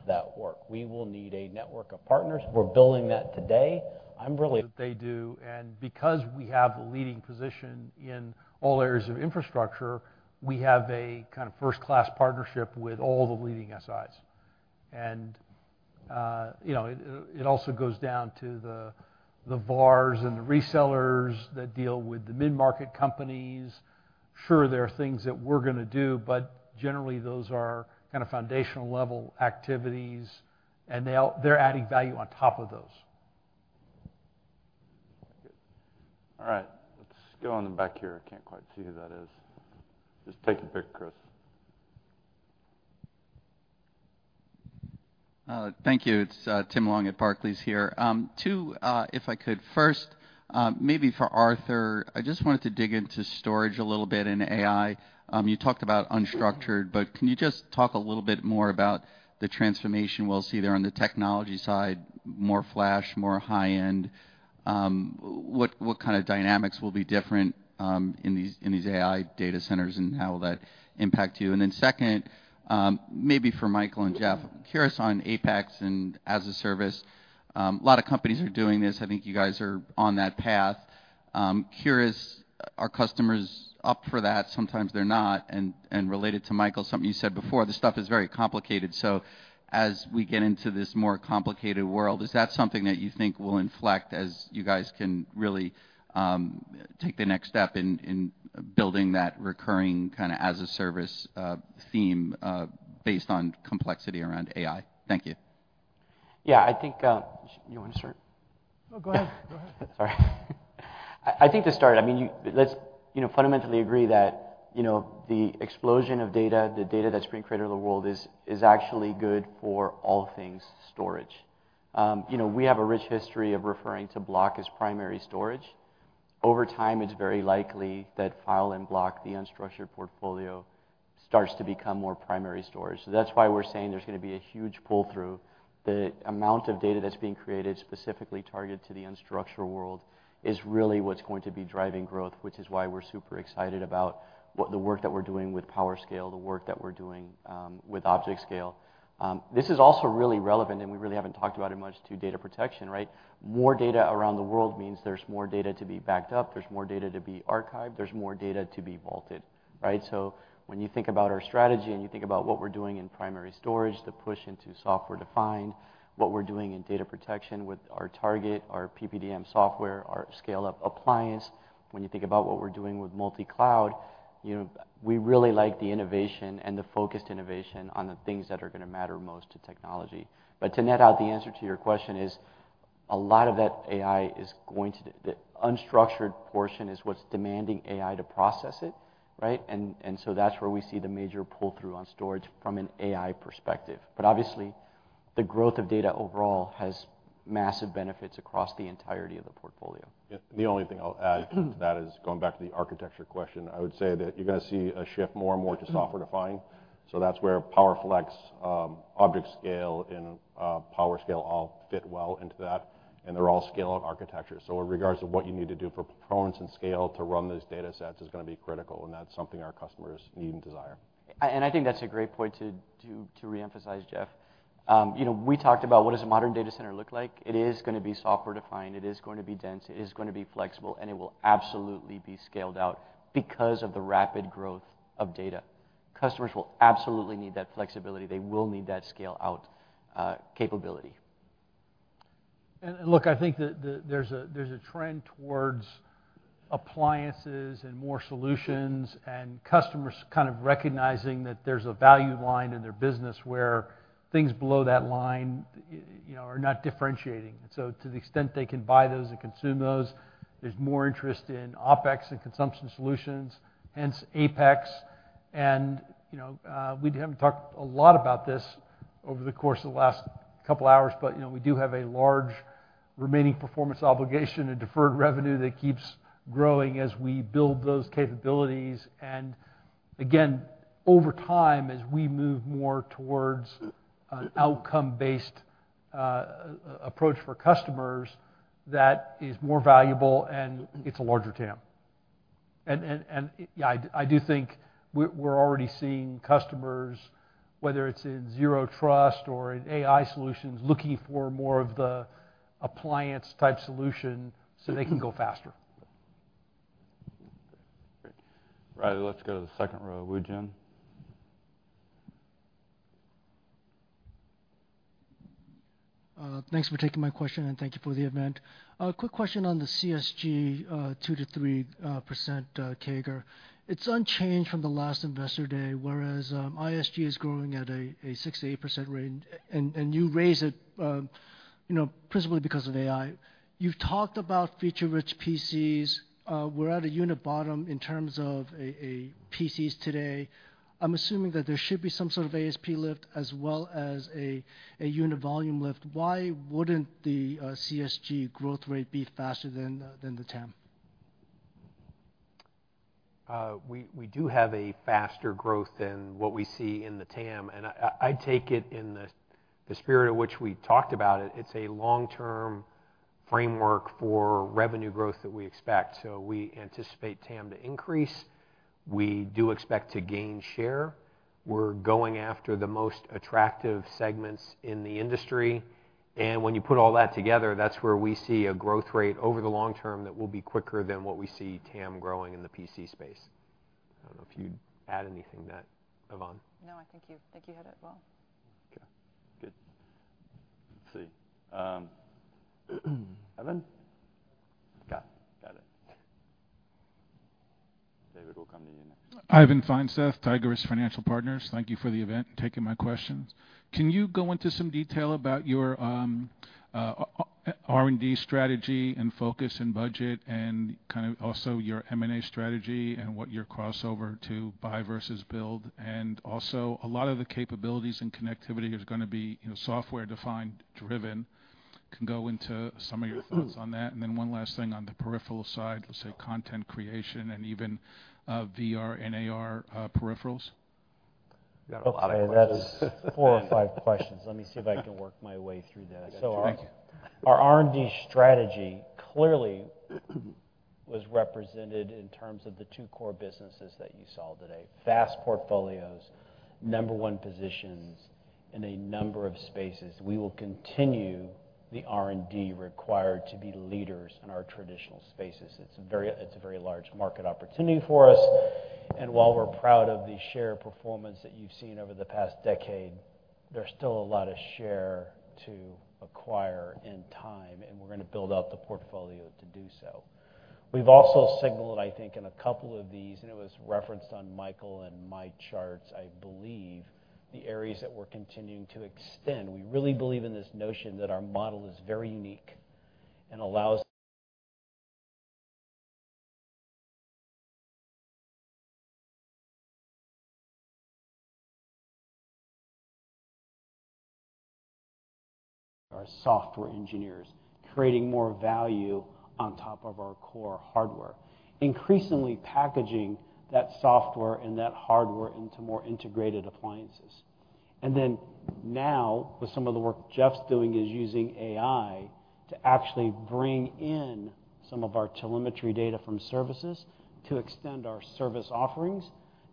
that work. We will need a network of partners. We're building that today. I'm really- That they do, and because we have a leading position in all areas of infrastructure, we have a kind of first-class partnership with all the leading SIs. And, you know, it also goes down to the VARs and the resellers that deal with the mid-market companies. Sure, there are things that we're gonna do, but generally, those are kind of foundational-level activities, and they'll—they're adding value on top of those. Good. All right, let's go on the back here. I can't quite see who that is. Just take a pick, Chris. Thank you. It's Tim Long at Barclays here. Two, if I could, first, maybe for Arthur, I just wanted to dig into storage a little bit and AI. You talked about unstructured, but can you just talk a little bit more about the transformation we'll see there on the technology side, more flash, more high-end? What kind of dynamics will be different in these AI data centers, and how will that impact you? And then second, maybe for Michael and Jeff, curious on APEX and as-a-service. A lot of companies are doing this. I think you guys are on that path. Curious, are customers up for that? Sometimes they're not, and related to Michael, something you said before, this stuff is very complicated. So as we get into this more complicated world, is that something that you think will inflect as you guys can really take the next step in building that recurring kind of as-a-service theme, based on complexity around AI? Thank you. Yeah, I think... You want to start? No, go ahead. Go ahead. Sorry. I think to start, I mean, you, let's, you know, fundamentally agree that, you know, the explosion of data, the data that's being created in the world is actually good for all things storage. You know, we have a rich history of referring to block as primary storage. Over time, it's very likely that file and block, the unstructured portfolio, starts to become more primary storage. So that's why we're saying there's going to be a huge pull-through. The amount of data that's being created, specifically targeted to the unstructured world, is really what's going to be driving growth, which is why we're super excited about the work that we're doing with PowerScale, the work that we're doing with ObjectScale. This is also really relevant, and we really haven't talked about it much, to data protection, right? More data around the world means there's more data to be backed up, there's more data to be archived, there's more data to be vaulted, right? So when you think about our strategy and you think about what we're doing in primary storage, the push into software-defined, what we're doing in data protection with our target, our PPDM software, our scale-up appliance. When you think about what we're doing with multi-cloud, you know, we really like the innovation and the focused innovation on the things that are going to matter most to technology. But to net out, the answer to your question is, a lot of that AI is going to, the unstructured portion is what's demanding AI to process it, right? And so that's where we see the major pull-through on storage from an AI perspective. Obviously, the growth of data overall has massive benefits across the entirety of the portfolio. Yeah, the only thing I'll add to that is, going back to the architecture question, I would say that you're going to see a shift more and more to software-defined. So that's where PowerFlex, ObjectScale and PowerScale all fit well into that, and they're all scale-out architecture. So in regards of what you need to do for performance and scale to run these data sets is going to be critical, and that's something our customers need and desire. I think that's a great point to reemphasize, Jeff. You know, we talked about what does a modern data center look like? It is going to be software-defined, it is going to be dense, it is going to be flexible, and it will absolutely be scaled out because of the rapid growth of data. Customers will absolutely need that flexibility. They will need that scale-out capability. Look, I think that there's a trend towards appliances and more solutions, and customers kind of recognizing that there's a value line in their business where things below that line, you know, are not differentiating. So to the extent they can buy those and consume those, there's more interest in APEX and consumption solutions, hence APEX. You know, we haven't talked a lot about this over the course of the last couple of hours, but, you know, we do have a large remaining performance obligation and deferred revenue that keeps growing as we build those capabilities. And again, over time, as we move more towards an outcome-based approach for customers, that is more valuable and it's a larger TAM. I do think we're already seeing customers, whether it's in zero trust or in AI solutions, looking for more of the appliance-type solution so they can go faster. Great. Right, let's go to the second row. Woo Jin? Thanks for taking my question, and thank you for the event. Quick question on the CSG, 2%-3% CAGR. It's unchanged from the last Investor Day, whereas ISG is growing at a 6%-8% rate, and you raised it, you know, principally because of AI. You've talked about feature-rich PCs. We're at a unit bottom in terms of PCs today. I'm assuming that there should be some sort of ASP lift as well as a unit volume lift. Why wouldn't the CSG growth rate be faster than the TAM? We do have a faster growth than what we see in the TAM, and I take it in the spirit of which we talked about it. It's a long-term framework for revenue growth that we expect. So we anticipate TAM to increase. We do expect to gain share. We're going after the most attractive segments in the industry, and when you put all that together, that's where we see a growth rate over the long term that will be quicker than what we see TAM growing in the PC space. I don't know if you'd add anything to that, Yvonne? No, I think you hit it well. Okay, good. Let's see, Ivan? Got it. David, we'll come to you next. Ivan Feinseth, Tigress Financial Partners. Thank you for the event and taking my questions. Can you go into some detail about your R&D strategy and focus and budget, and kind of also your M&A strategy, and what your crossover to buy versus build? And also, a lot of the capabilities and connectivity is going to be, you know, software-defined driven. Can go into some of your thoughts on that? And then one last thing on the peripheral side, let's say, content creation and even VR and AR peripherals. You got a lot of questions. Okay, that is four or five questions. Let me see if I can work my way through that. Thank you. So our, our R&D strategy clearly was represented in terms of the two core businesses that you saw today: vast portfolios, number one positions in a number of spaces. We will continue the R&D required to be leaders in our traditional spaces. It's a very large market opportunity for us. And while we're proud of the share performance that you've seen over the past decade, there's still a lot of share to acquire in time, and we're going to build out the portfolio to do so. We've also signaled, I think, in a couple of these, and it was referenced on Michael and my charts, I believe, the areas that we're continuing to extend. We really believe in this notion that our model is very unique and allows-... our software engineers, creating more value on top of our core hardware, increasingly packaging that software and that hardware into more integrated appliances. Now, with some of the work Jeff's doing, is using AI to actually bring in some of our telemetry data from services to extend our service offerings,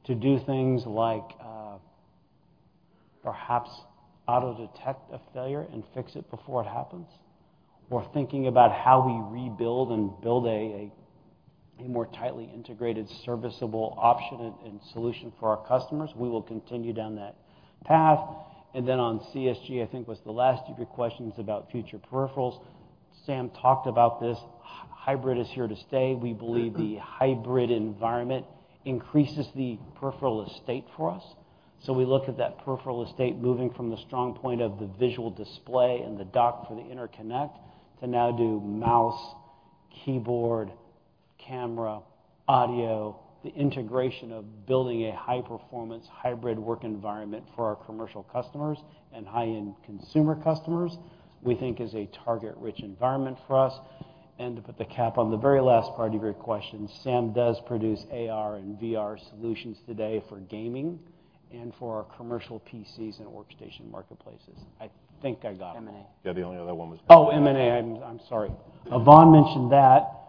to do things like, perhaps auto-detect a failure and fix it before it happens, or thinking about how we rebuild and build a more tightly integrated, serviceable option and solution for our customers. We will continue down that path. On CSG, I think was the last of your questions about future peripherals. Sam talked about this. Hybrid is here to stay. We believe the hybrid environment increases the peripheral estate for us, so we look at that peripheral estate moving from the strong point of the visual display and the dock for the interconnect, to now do mouse, keyboard, camera, audio. The integration of building a high-performance, hybrid work environment for our commercial customers and high-end consumer customers, we think is a target-rich environment for us. To put the cap on the very last part of your question, Sam does produce AR and VR solutions today for gaming and for our commercial PCs and workstation marketplaces. I think I got them. M&A. Yeah, the only other one was- Oh, M&A. I'm sorry. Yvonne mentioned that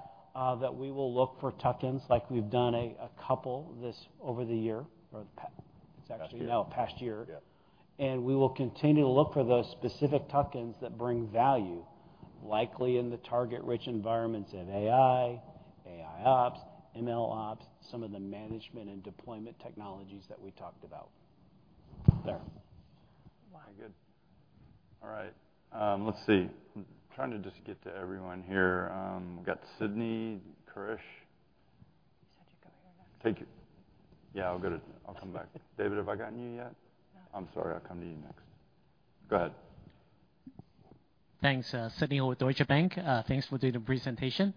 we will look for tuck-ins, like we've done a couple this over the year or the pa-- it's actually- Past year... now, past year. Yeah. We will continue to look for those specific tuck-ins that bring value, likely in the target-rich environments of AI, AIOps, MLOps, some of the management and deployment technologies that we talked about. There. Wow. Very good. All right, let's see. I'm trying to just get to everyone here. We've got Sidney, Krish. You said you'd go here next. Thank you. Yeah, I'll get it. I'll come back. David, have I gotten you yet? No. I'm sorry, I'll come to you next. Go ahead. Thanks. Sidney Ho with Deutsche Bank. Thanks for doing the presentation.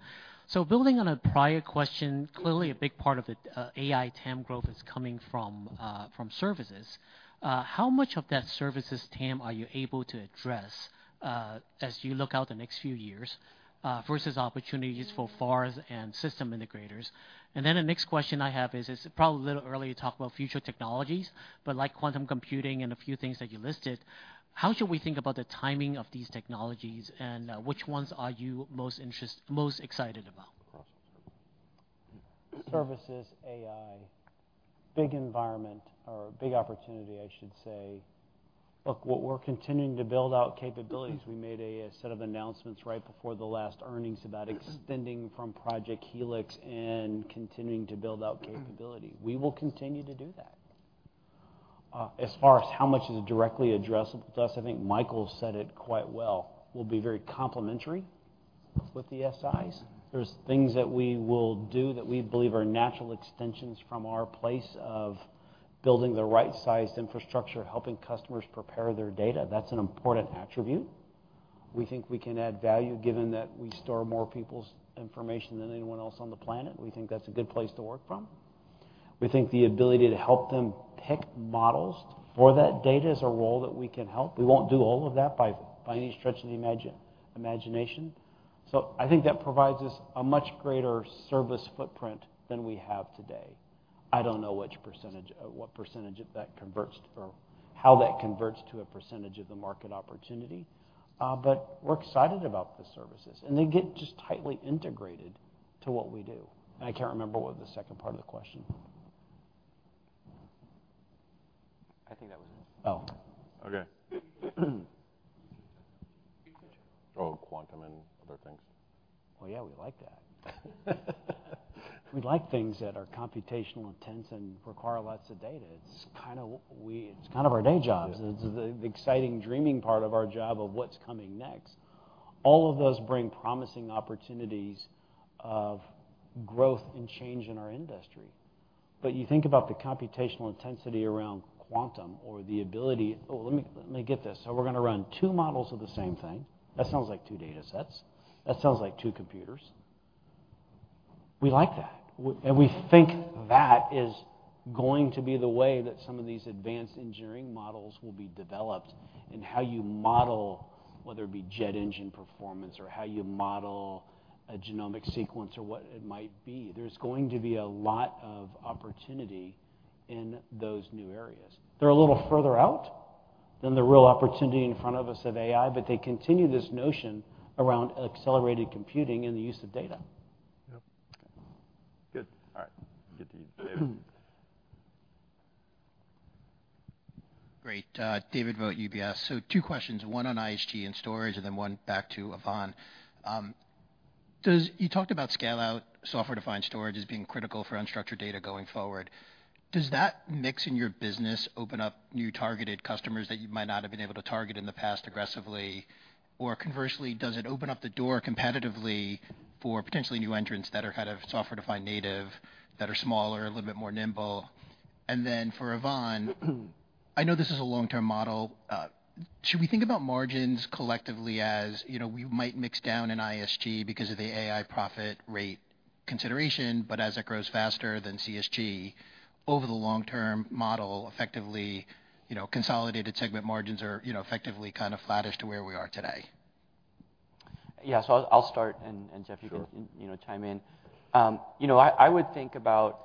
So building on a prior question, clearly a big part of the, AI TAM growth is coming from, from services. How much of that services TAM are you able to address, as you look out the next few years, versus opportunities for VARs and system integrators? And then the next question I have is, it's probably a little early to talk about future technologies, but like quantum computing and a few things that you listed, how should we think about the timing of these technologies, and, which ones are you most interest- most excited about? Services, AI, big environment or big opportunity, I should say. Look, what we're continuing to build out capabilities, we made a set of announcements right before the last earnings about extending from Project Helix and continuing to build out capability. We will continue to do that. As far as how much is directly addressed with us, I think Michael said it quite well, we'll be very complementary with the SIs. There's things that we will do that we believe are natural extensions from our place of building the right-sized infrastructure, helping customers prepare their data. That's an important attribute. We think we can add value, given that we store more people's information than anyone else on the planet. We think that's a good place to work from. We think the ability to help them pick models for that data is a role that we can help. We won't do all of that by any stretch of the imagination. So I think that provides us a much greater service footprint than we have today. I don't know which percentage, what percentage of that converts or how that converts to a percentage of the market opportunity, but we're excited about the services, and they get just tightly integrated to what we do. And I can't remember what was the second part of the question. I think that was it. Oh. Okay. Oh, quantum and other things. Well, yeah, we like that. We like things that are computational intense and require lots of data. It's kind of our day jobs. Yeah. It's the exciting, dreaming part of our job of what's coming next. All of those bring promising opportunities of growth and change in our industry. But you think about the computational intensity around quantum or the ability... Oh, let me get this. So we're going to run two models of the same thing. That sounds like two datasets. That sounds like two computers. We like that, and we think that is going to be the way that some of these advanced engineering models will be developed, and how you model, whether it be jet engine performance or how you model a genomic sequence or what it might be. There's going to be a lot of opportunity in those new areas. They're a little further out than the real opportunity in front of us of AI, but they continue this notion around accelerated computing and the use of data. Yep. Good. All right. Get to you, David. Great. David Vogt, UBS. So two questions, one on ISG and storage, and then one back to Yvonne. You talked about scale-out, software-defined storage as being critical for unstructured data going forward. Does that mix in your business open up new targeted customers that you might not have been able to target in the past aggressively? Or conversely, does it open up the door competitively for potentially new entrants that are kind of software-defined native, that are smaller, a little bit more nimble? And then for Yvonne, I know this is a long-term model, should we think about margins collectively, as, you know, we might mix down in ISG because of the AI profit rate? ...consideration, but as it grows faster than CSG over the long-term model, effectively, you know, consolidated segment margins are, you know, effectively kind of flattish to where we are today. Yeah, so I'll start, and Jeff- Sure. You can, you know, chime in. I would think about--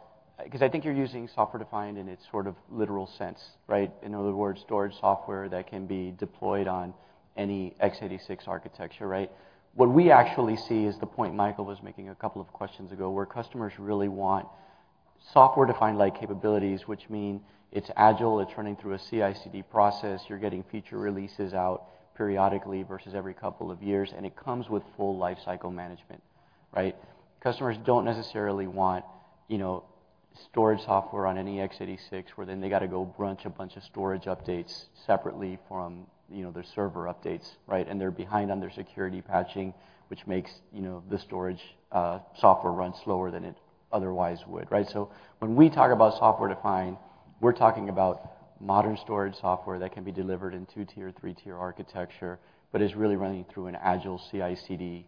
'cause I think you're using software-defined in its sort of literal sense, right? In other words, storage software that can be deployed on any x86 architecture, right? What we actually see is the point Michael was making a couple of questions ago, where customers really want software-defined-like capabilities, which mean it's agile, it's running through a CI/CD process, you're getting feature releases out periodically versus every couple of years, and it comes with full life cycle management, right? Customers don't necessarily want, you know, storage software on any x86, where then they got to go patch a bunch of storage updates separately from, you know, their server updates, right? They're behind on their security patching, which makes, you know, the storage, you know, software run slower than it otherwise would, right? So when we talk about software-defined, we're talking about modern storage software that can be delivered in two-tier, three-tier architecture, but is really running through an agile CICD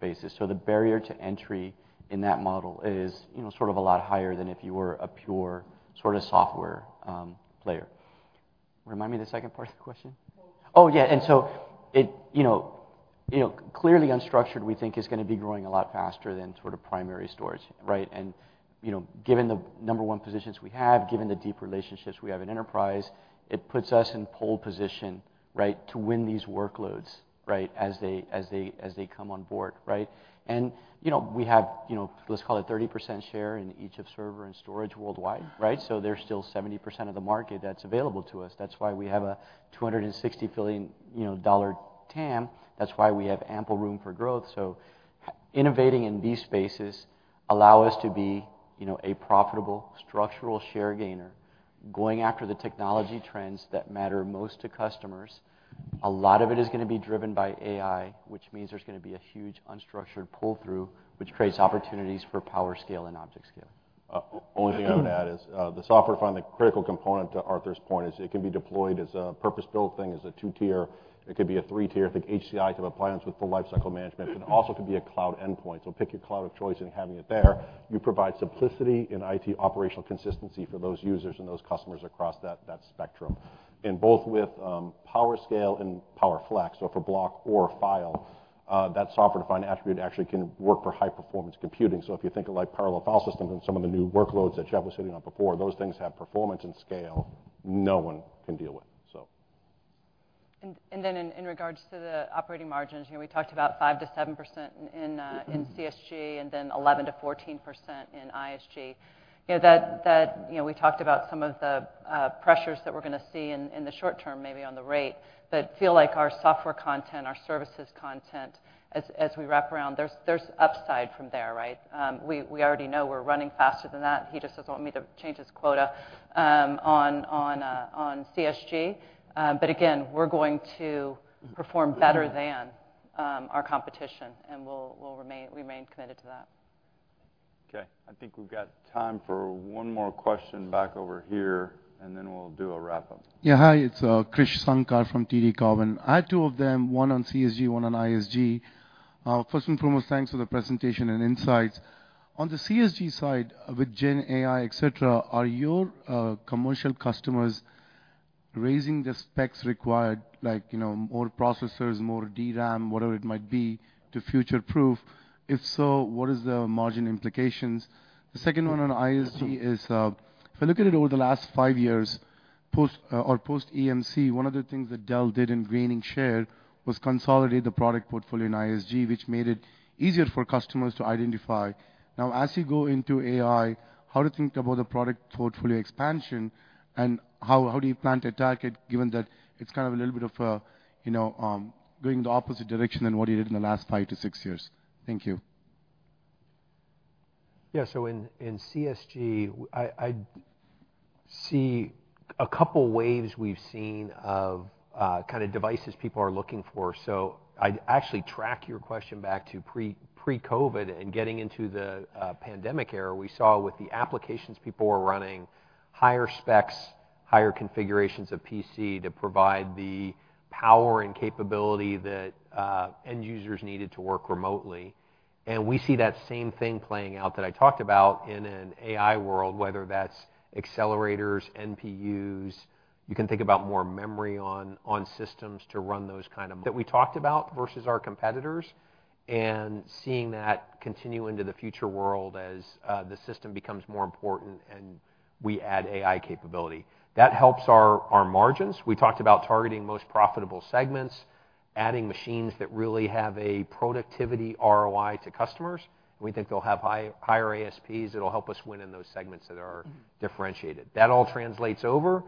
basis. So the barrier to entry in that model is, you know, sort of a lot higher than if you were a pure sort of software player. Remind me the second part of the question. Well- Oh, yeah. So it, you know, clearly unstructured, we think is going to be growing a lot faster than sort of primary storage, right? Given the number one positions we have, given the deep relationships we have in enterprise, it puts us in pole position, right, to win these workloads, right, as they come on board, right? We have, you know, let's call it 30% share in each of server and storage worldwide, right? So there's still 70% of the market that's available to us. That's why we have a $260 billion, you know, dollar TAM. That's why we have ample room for growth. So innovating in these spaces allow us to be, you know, a profitable, structural share gainer, going after the technology trends that matter most to customers. A lot of it is going to be driven by AI, which means there's going to be a huge unstructured pull-through, which creates opportunities for PowerScale and ObjectScale. The only thing I would add is, the software-defined, the critical component to Arthur's point is it can be deployed as a purpose-built thing, as a two-tier, it could be a three-tier, I think, HCI type of appliance with full lifecycle management. It also could be a cloud endpoint. Pick your cloud of choice and having it there, you provide simplicity in IT operational consistency for those users and those customers across that spectrum. Both with PowerScale and PowerFlex, for block or file, that software-defined attribute actually can work for high performance computing. If you think of, like, parallel file systems and some of the new workloads that Jeff was hitting on before, those things have performance and scale no one can deal with. And then in regards to the operating margins, you know, we talked about 5%-7% in CSG, and then 11%-14% in ISG. You know, that, you know, we talked about some of the pressures that we're going to see in the short term, maybe on the rate, but feel like our software content, our services content, as we wrap around, there's upside from there, right? We already know we're running faster than that. He just doesn't want me to change his quota on CSG. But again, we're going to perform better than our competition, and we'll remain committed to that. Okay, I think we've got time for one more question back over here, and then we'll do a wrap-up. Yeah, hi, it's Krish Sankar from TD Cowen. I have two of them, one on CSG, one on ISG. First and foremost, thanks for the presentation and insights. On the CSG side, with GenAI, et cetera, are your commercial customers raising the specs required, like, you know, more processors, more DRAM, whatever it might be, to future-proof? If so, what is the margin implications? The second one on ISG is, if I look at it over the last five years, post-EMC, one of the things that Dell did in gaining share was consolidate the product portfolio in ISG, which made it easier for customers to identify. Now, as you go into AI, how to think about the product portfolio expansion, and how, how do you plan to attack it, given that it's kind of a little bit of a, you know, going the opposite direction than what you did in the last 5-6 years? Thank you. Yeah, so in CSG, I see a couple of waves we've seen of kind of devices people are looking for. So I'd actually track your question back to pre-COVID and getting into the pandemic era. We saw with the applications, people were running higher specs, higher configurations of PC to provide the power and capability that end users needed to work remotely. And we see that same thing playing out that I talked about in an AI world, whether that's accelerators, NPUs. You can think about more memory on systems to run those kind of that we talked about versus our competitors, and seeing that continue into the future world as the system becomes more important, and we add AI capability. That helps our margins. We talked about targeting most profitable segments, adding machines that really have a productivity ROI to customers. We think they'll have higher ASPs, it'll help us win in those segments that are differentiated. That all translates over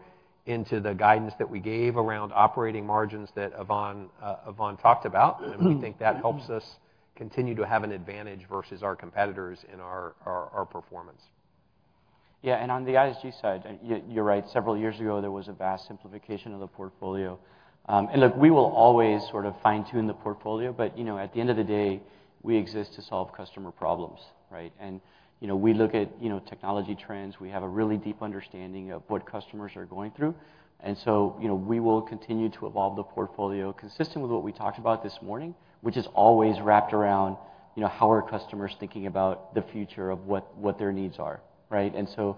into the guidance that we gave around operating margins that Yvonne, Yvonne talked about, and we think that helps us continue to have an advantage versus our competitors in our, our, our performance. Yeah, and on the ISG side, you're right. Several years ago, there was a vast simplification of the portfolio. And look, we will always sort of fine-tune the portfolio, but, you know, at the end of the day, we exist to solve customer problems, right? You know, we look at, you know, technology trends. We have a really deep understanding of what customers are going through. And so, you know, we will continue to evolve the portfolio consistent with what we talked about this morning, which is always wrapped around, you know, how are customers thinking about the future of what their needs are, right? And so,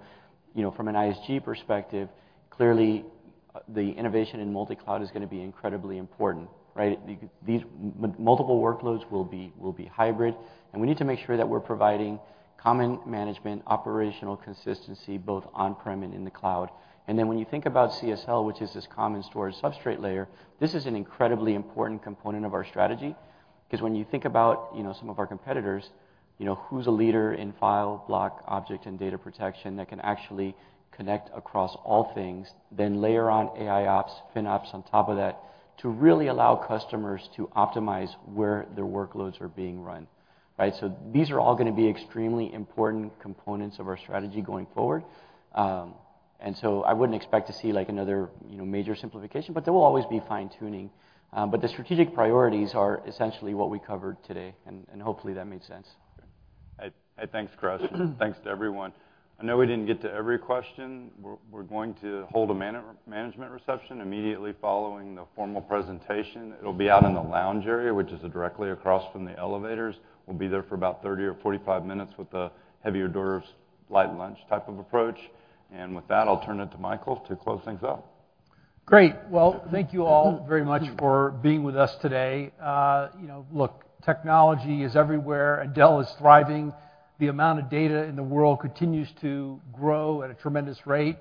you know, from an ISG perspective, clearly, the innovation in multi-cloud is going to be incredibly important, right? These multiple workloads will be hybrid, and we need to make sure that we're providing common management, operational consistency, both on-prem and in the cloud. And then when you think about CSL, which is this common storage substrate layer, this is an incredibly important component of our strategy. Because when you think about, you know, some of our competitors, you know, who's a leader in file, block, object, and data protection that can actually connect across all things, then layer on AIOps, FinOps on top of that, to really allow customers to optimize where their workloads are being run, right? So these are all going to be extremely important components of our strategy going forward. And so I wouldn't expect to see, like, another, you know, major simplification, but there will always be fine-tuning. But the strategic priorities are essentially what we covered today, and hopefully, that made sense. Hey, hey, thanks, Krish. Thanks to everyone. I know we didn't get to every question. We're going to hold a management reception immediately following the formal presentation. It'll be out in the lounge area, which is directly across from the elevators. We'll be there for about 30 or 45 minutes with heavier hors d'oeuvres, light lunch type of approach. And with that, I'll turn it to Michael to close things up. Great. Well, thank you all very much for being with us today. You know, look, technology is everywhere, and Dell is thriving. The amount of data in the world continues to grow at a tremendous rate.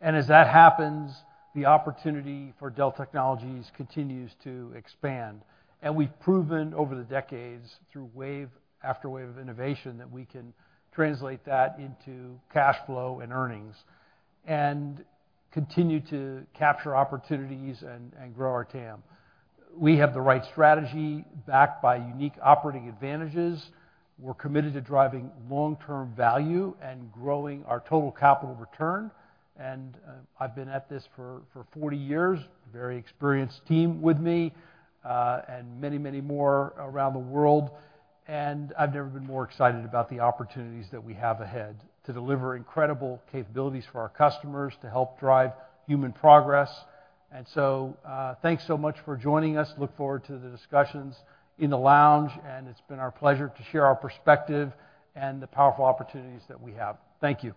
And as that happens, the opportunity for Dell Technologies continues to expand. And we've proven over the decades, through wave after wave of innovation, that we can translate that into cash flow and earnings, and continue to capture opportunities and, and grow our TAM. We have the right strategy, backed by unique operating advantages. We're committed to driving long-term value and growing our total capital return, and, I've been at this for 40 years, very experienced team with me, and many, many more around the world, and I've never been more excited about the opportunities that we have ahead to deliver incredible capabilities for our customers, to help drive human progress. And so, thanks so much for joining us. Look forward to the discussions in the lounge, and it's been our pleasure to share our perspective and the powerful opportunities that we have. Thank you.